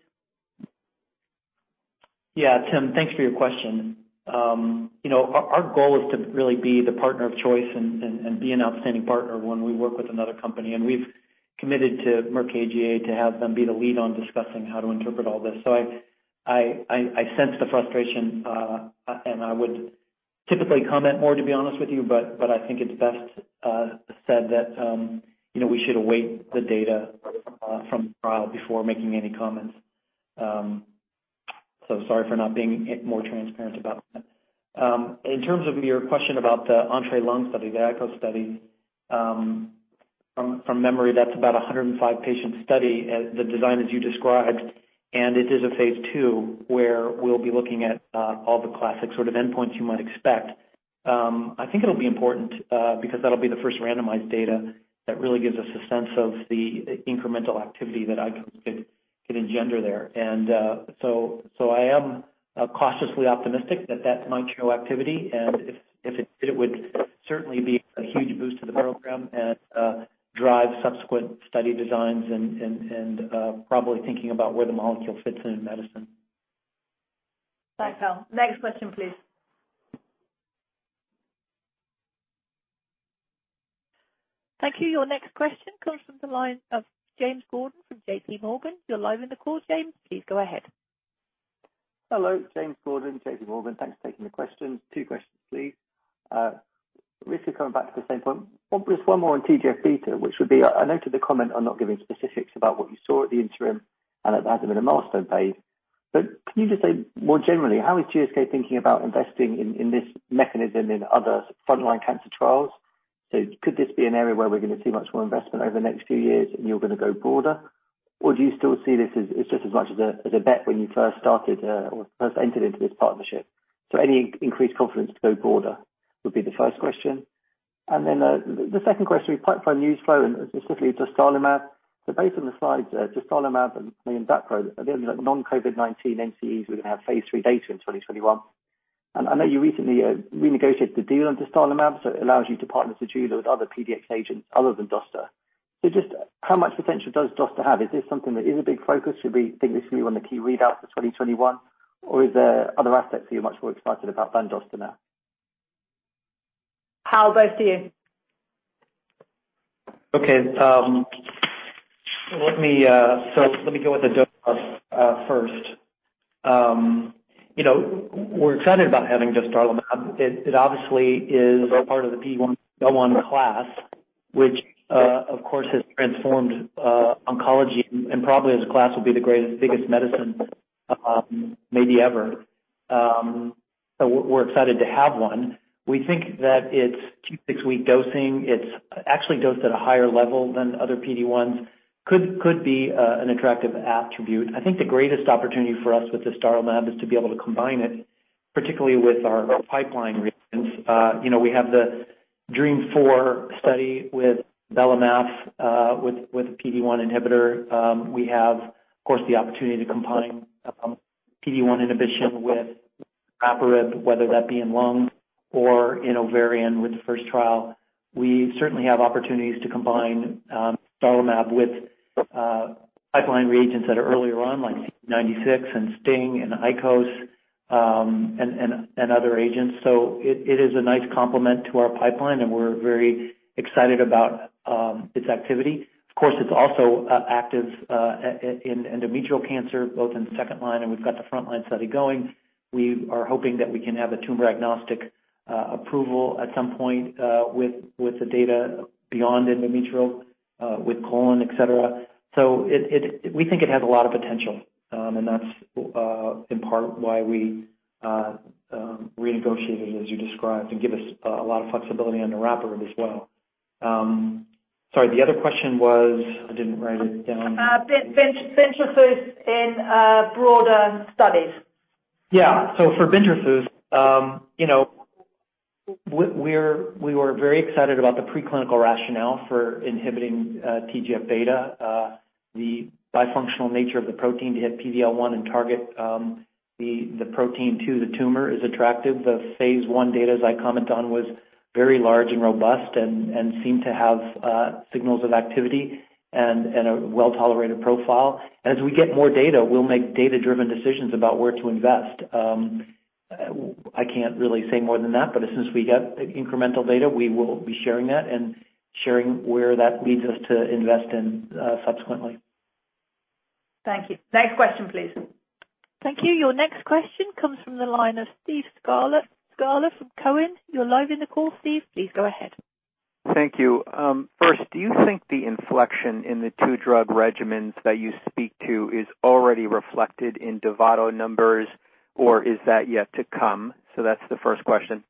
Tim, thanks for your question. Our goal is to really be the partner of choice and be an outstanding partner when we work with another company. We've committed to Merck KGaA to have them be the lead on discussing how to interpret all this. I sense the frustration, and I would typically comment more, to be honest with you, but I think it's best said that we should await the data from the trial before making any comments. Sorry for not being more transparent about that. In terms of your question about the INDUCE-Lung study, the ICOS study, from memory, that's about 105-patient study, the design as you described, and it is a phase II where we'll be looking at all the classic sort of endpoints you might expect. I think it'll be important, because that'll be the first randomized data that really gives us a sense of the incremental activity that ICOS could engender there. I am cautiously optimistic that that might show activity, and if it did, it would certainly be a huge boost to the program and drive subsequent study designs and probably thinking about where the molecule fits in medicine. Thanks, Hal. Next question, please. Thank you. Your next question comes from the line of James Gordon from J.P. Morgan. You're live in the call, James. Please go ahead. Hello. James Gordon, J.P. Morgan. Thanks for taking the questions. Two questions, please. Really coming back to the same point. One more on TGF-β, which would be, I noted the comment on not giving specifics about what you saw at the interim and that there hasn't been a milestone paid. Can you just say more generally, how is GSK thinking about investing in this mechanism in other frontline cancer trials? Could this be an area where we're going to see much more investment over the next few years and you're going to go broader? Do you still see this as just as much as a bet when you first started or first entered into this partnership? Any increased confidence to go broader would be the first question. The second question, pipeline news flow and specifically dostarlimab. Based on the slides, dostarlimab and in that program, at the end of non-COVID-19 NCEs, we're going to have phase III data in 2021. I know you recently renegotiated the deal on dostarlimab, so it allows you to partner with other PD-1 agents other than Dosta. Just how much potential does Dosta have? Is this something that is a big focus? Should we think this will be one of the key readouts for 2021? Is there other aspects that you're much more excited about than Dosta now? Hal, both to you. Okay. Let me go with the dose first. We're excited about having dostarlimab. It obviously is a part of the PD-L1 class, which of course has transformed oncology and probably as a class will be the greatest, biggest medicine maybe ever. We're excited to have one. We think that its two six-week dosing, it's actually dosed at a higher level than other PD-1s, could be an attractive attribute. I think the greatest opportunity for us with dostarlimab is to be able to combine it, particularly with our pipeline reagents. We have the DREAMM-4 study with belantamab mafodotin, with PD-1 inhibitor. We have, of course, the opportunity to combine PD-1 inhibition with olaparib, whether that be in lung or in ovarian with the first trial. We certainly have opportunities to combine dostarlimab with pipeline reagents that are earlier on, like CD96 and STING and ICOS, and other agents. It is a nice complement to our pipeline, and we're very excited about its activity. Of course, it's also active in endometrial cancer, both in second line, and we've got the front-line study going. We are hoping that we can have a tumor-agnostic approval at some point with the data beyond endometrial, with colon, et cetera. We think it has a lot of potential, and that's in part why we renegotiated, as you described, to give us a lot of flexibility on the olaparib as well. Sorry, the other question was, I didn't write it down. bintrafusp in broader studies. Yeah. For bintrafusp, we were very excited about the preclinical rationale for inhibiting TGF-β. The bifunctional nature of the protein to hit PD-L1 and target the protein to the tumor is attractive. The phase I data, as I commented on, was very large and robust and seemed to have signals of activity and a well-tolerated profile. We get more data, we'll make data-driven decisions about where to invest. I can't really say more than that, as soon as we get incremental data, we will be sharing that and sharing where that leads us to invest in subsequently. Thank you. Next question, please. Thank you. Your next question comes from the line of Steve Scala from Cowen. You're live in the call, Steve. Please go ahead. Thank you. First, do you think the inflection in the two-drug regimens that you speak to is already reflected in DOVATO numbers, or is that yet to come? That's the first question.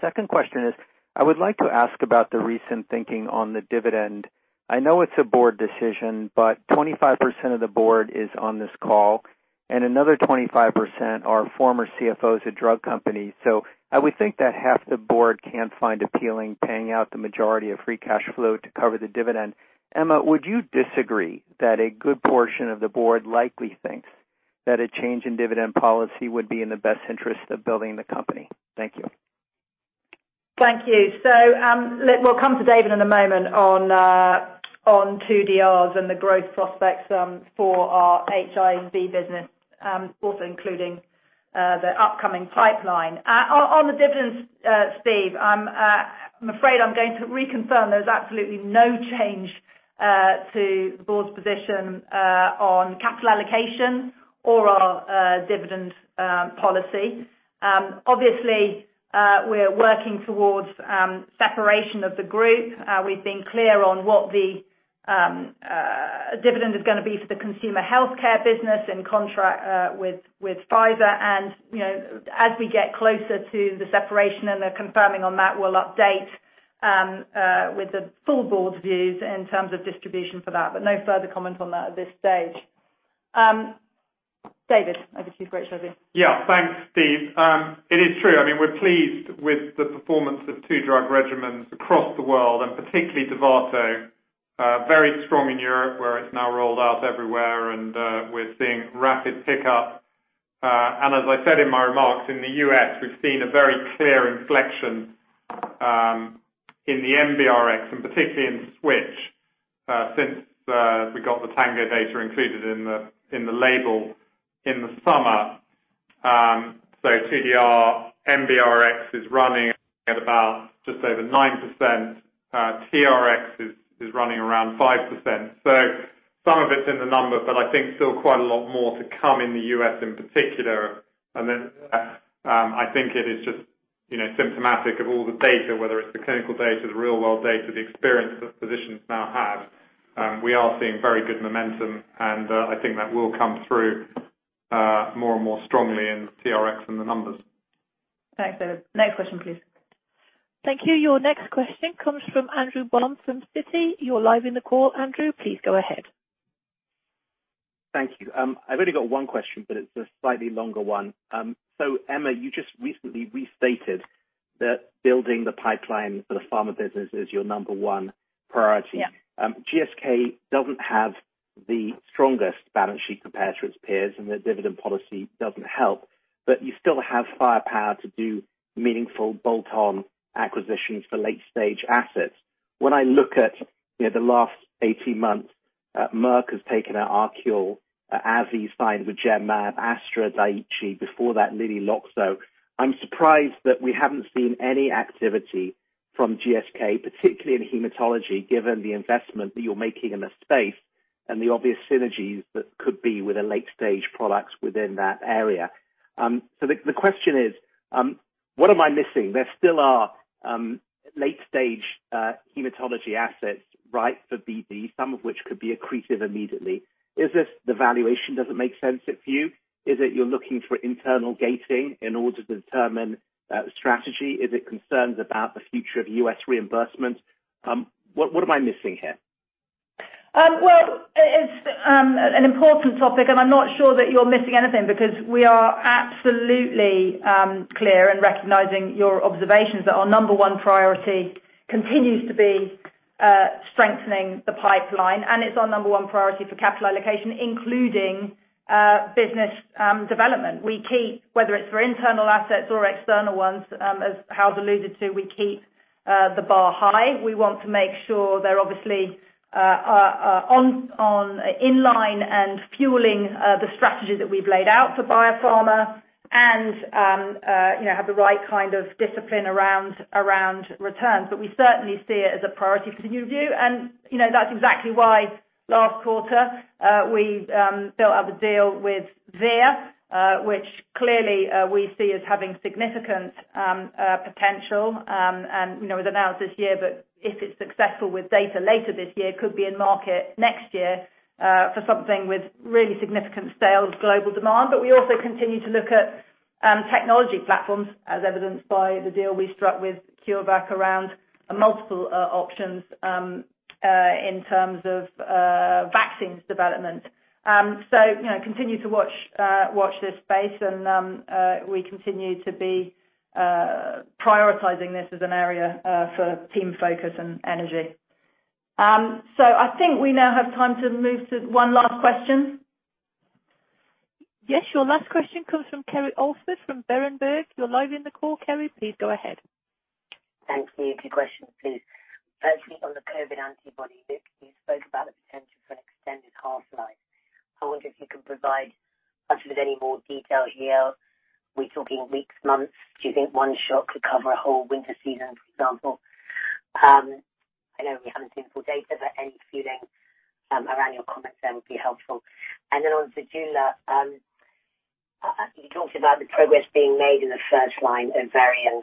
Second question is, I would like to ask about the recent thinking on the dividend. I know it's a board decision, but 25% of the board is on this call and another 25% are former CFOs at drug companies. I would think that half the board can't find appealing paying out the majority of free cash flow to cover the dividend. Emma, would you disagree that a good portion of the board likely thinks that a change in dividend policy would be in the best interest of building the company? Thank you. Thank you. We'll come to David in a moment on 2DRs and the growth prospects for our HIV business, also including the upcoming pipeline. On the dividends, Steve, I'm afraid I'm going to reconfirm there is absolutely no change to the board's position on capital allocation or our dividend policy. Obviously, we're working towards separation of the group. We've been clear on what the dividend is going to be for the consumer healthcare business in contract with Pfizer, and as we get closer to the separation and the confirming on that, we'll update with the full board's views in terms of distribution for that, but no further comment on that at this stage. David, over to you for an answer. Thanks, Steve. It is true. We're pleased with the performance of two-drug regimens across the world, and particularly DOVATO. Very strong in Europe, where it's now rolled out everywhere and we're seeing rapid pickup. As I said in my remarks, in the U.S., we've seen a very clear inflection in the NBRx, and particularly in switch, since we got the TANGO data included in the label in the summer. NBRx is running at about just over 9%. TRX is running around 5%. Some of it's in the numbers, but I think still quite a lot more to come in the U.S. in particular. I think it is just symptomatic of all the data, whether it's the clinical data, the real-world data, the experience that physicians now have. We are seeing very good momentum, and I think that will come through more and more strongly in TRX in the numbers. Thanks, David. Next question, please. Thank you. Your next question comes from Andrew Baum from Citi. You're live in the call, Andrew. Please go ahead. Thank you. I've only got one question, but it's a slightly longer one. Emma, you just recently restated that building the pipeline for the pharma business is your number one priority. Yeah. GSK doesn't have the strongest balance sheet compared to its peers, and the dividend policy doesn't help. You still have firepower to do meaningful bolt-on acquisitions for late-stage assets. When I look at the last 18 months. Merck has taken out ArQule, AbbVie signed with Genmab, Astra, Daiichi, before that, Lilly Loxo. I'm surprised that we haven't seen any activity from GSK, particularly in hematology, given the investment that you're making in the space and the obvious synergies that could be with a late-stage product within that area. The question is, what am I missing? There still are late-stage hematology assets for BD, some of which could be accretive immediately. Is this the valuation doesn't make sense for you? Is it you're looking for internal gating in order to determine strategy? Is it concerns about the future of U.S. reimbursement? What am I missing here? Well, it's an important topic, and I'm not sure that you're missing anything because we are absolutely clear in recognizing your observations that our number one priority continues to be strengthening the pipeline, and it's our number one priority for capital allocation, including business development. We keep, whether it's for internal assets or external ones, as Hal alluded to, we keep the bar high. We want to make sure they're obviously in line and fueling the strategy that we've laid out for biopharma and have the right kind of discipline around returns. We certainly see it as a priority for new GSK, and that's exactly why last quarter, we built out the deal with Vir, which clearly we see as having significant potential and was announced this year, but if it's successful with data later this year, could be in market next year for something with really significant sales global demand. We also continue to look at technology platforms as evidenced by the deal we struck with CureVac around multiple options in terms of vaccines development. Continue to watch this space, and we continue to be prioritizing this as an area for team focus and energy. I think we now have time to move to one last question. Your last question comes from Kerry Holford from Berenberg. You're live in the call, Kerry. Please go ahead. Thank you. Two questions, please. Firstly, on the COVID antibody, Luke, you spoke about the potential for an extended half-life. I wonder if you can provide us with any more detail here. Are we talking weeks, months? Do you think one shot could cover a whole winter season, for example? I know we haven't seen full data, but any feeling around your comments there would be helpful. On ZEJULA, you talked about the progress being made in the first-line ovarian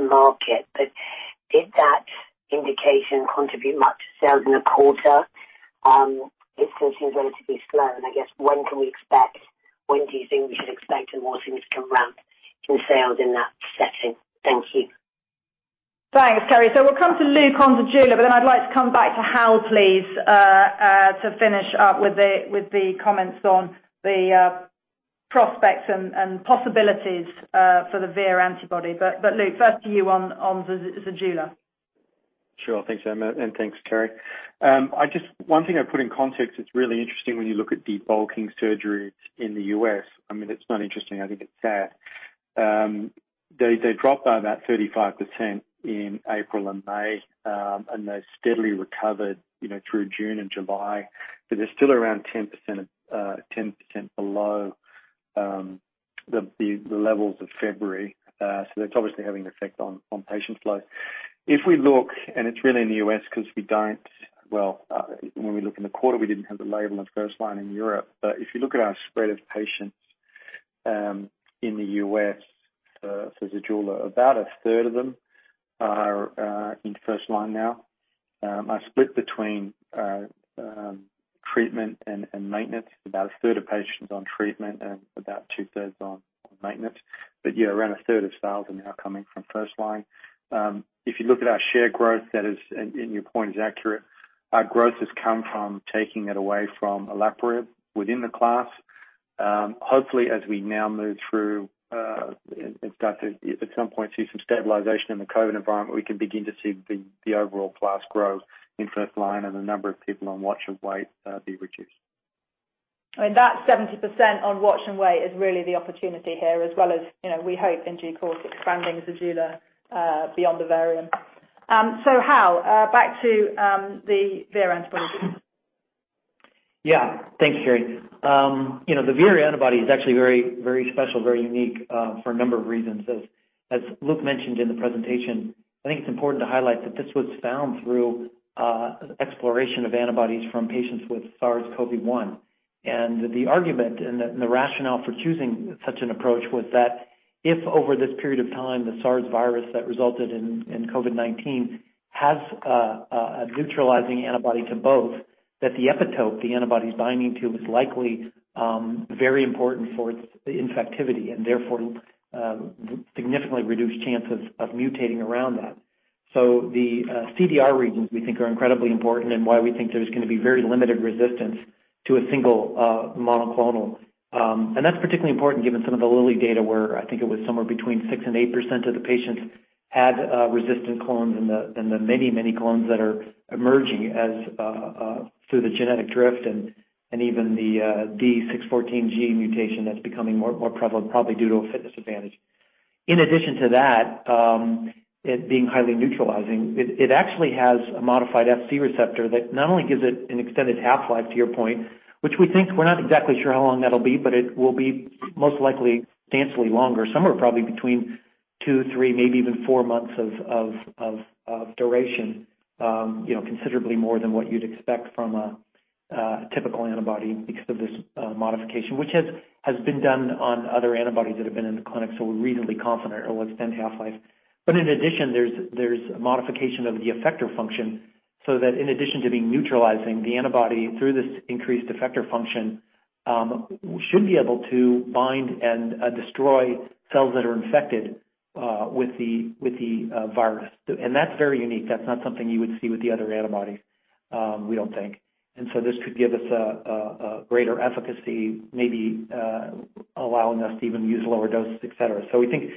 market, but did that indication contribute much to sales in the quarter? This still seems relatively slow. I guess, when do you think we should expect any more things to ramp in sales in that setting? Thank you. Thanks, Kerry. We'll come to Luke on ZEJULA, but then I'd like to come back to Hal, please, to finish up with the comments on the prospects and possibilities for the Vir antibody. Luke, first to you on ZEJULA. Sure. Thanks, Emma, and thanks, Kerry. One thing I'd put in context, it's really interesting when you look at the debulking surgeries in the U.S. It's not interesting, I think it's sad. They dropped by about 35% in April and May, and they steadily recovered through June and July, but they're still around 10% below the levels of February. That's obviously having an effect on patient flow. If we look, and it's really in the U.S. because when we look in the quarter, we didn't have the label of first-line in Europe, but if you look at our spread of patients in the U.S. for ZEJULA, about a third of them are in first line now, are split between treatment and maintenance, about a third of patients on treatment and about two-thirds on maintenance. Yeah, around a third of sales are now coming from first line. If you look at our share growth, and your point is accurate, our growth has come from taking it away from olaparib within the class. Hopefully, as we now move through, and start to, at some point, see some stabilization in the COVID environment, we can begin to see the overall class grow in first line and the number of people on watch and wait be reduced. That 70% on watch and wait is really the opportunity here as well as we hope in due course expanding ZEJULA beyond ovarian. Hal, back to the Vir antibody. Yeah. Thanks, Kerry. The Vir antibody is actually very special, very unique for a number of reasons. As Luke mentioned in the presentation, I think it's important to highlight that this was found through exploration of antibodies from patients with SARS-CoV-1. The argument and the rationale for choosing such an approach was that if over this period of time, the SARS virus that resulted in COVID-19 has a neutralizing antibody to both, that the epitope the antibody is binding to is likely very important for its infectivity, and therefore significantly reduced chance of mutating around that. The CDR regions, we think, are incredibly important and why we think there's going to be very limited resistance to a single monoclonal. That's particularly important given some of the Lilly data, where I think it was somewhere between 6% and 8% of the patients had resistant clones in the many clones that are emerging through the genetic drift and even the D614G mutation that's becoming more prevalent, probably due to a fitness advantage. In addition to that, it being highly neutralizing, it actually has a modified Fc receptor that not only gives it an extended half-life, to your point, which we think we're not exactly sure how long that'll be, but it will be most likely substantially longer, somewhere probably between two, three, maybe even four months of duration. Considerably more than what you'd expect from a typical antibody because of this modification, which has been done on other antibodies that have been in the clinic, so we're reasonably confident it will extend half-life. In addition, there's a modification of the effector function so that in addition to being neutralizing the antibody through this increased effector function, should be able to bind and destroy cells that are infected with the virus. That's very unique. That's not something you would see with the other antibodies, we don't think. This could give us a greater efficacy, maybe allowing us to even use lower doses, et cetera. We think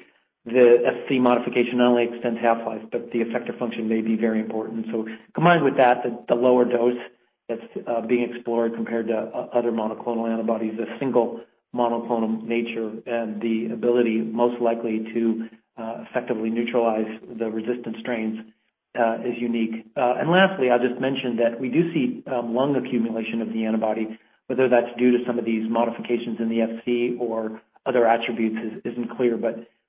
the Fc modification not only extends half-life, but the effector function may be very important. Combined with that, the lower dose that's being explored compared to other monoclonal antibodies, the single monoclonal nature, and the ability most likely to effectively neutralize the resistant strains, is unique. Lastly, I'll just mention that we do see lung accumulation of the antibody, whether that's due to some of these modifications in the Fc or other attributes isn't clear,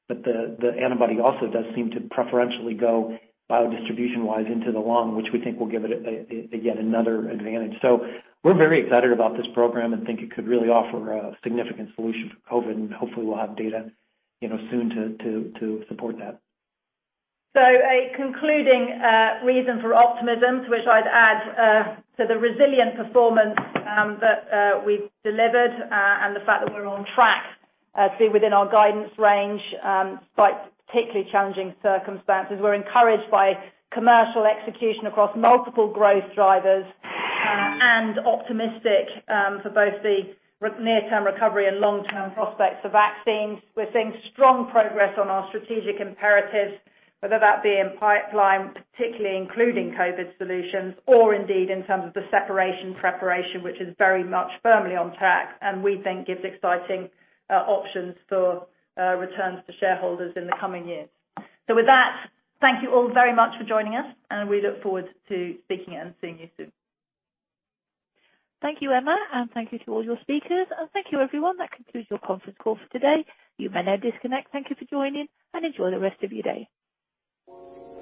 but the antibody also does seem to preferentially go biodistribution-wise into the lung, which we think will give it yet another advantage. We're very excited about this program and think it could really offer a significant solution for COVID, and hopefully we'll have data soon to support that. A concluding reason for optimism to which I'd add to the resilient performance that we've delivered, and the fact that we're on track to be within our guidance range, despite particularly challenging circumstances. We're encouraged by commercial execution across multiple growth drivers, and optimistic for both the near-term recovery and long-term prospects for vaccines. We're seeing strong progress on our strategic imperatives, whether that be in pipeline, particularly including COVID solutions or indeed in terms of the separation preparation, which is very much firmly on track and we think gives exciting options for returns to shareholders in the coming years. With that, thank you all very much for joining us, and we look forward to speaking and seeing you soon. Thank you, Emma, thank you to all your speakers. Thank you everyone. That concludes your conference call for today. You may now disconnect. Thank you for joining, and enjoy the rest of your day.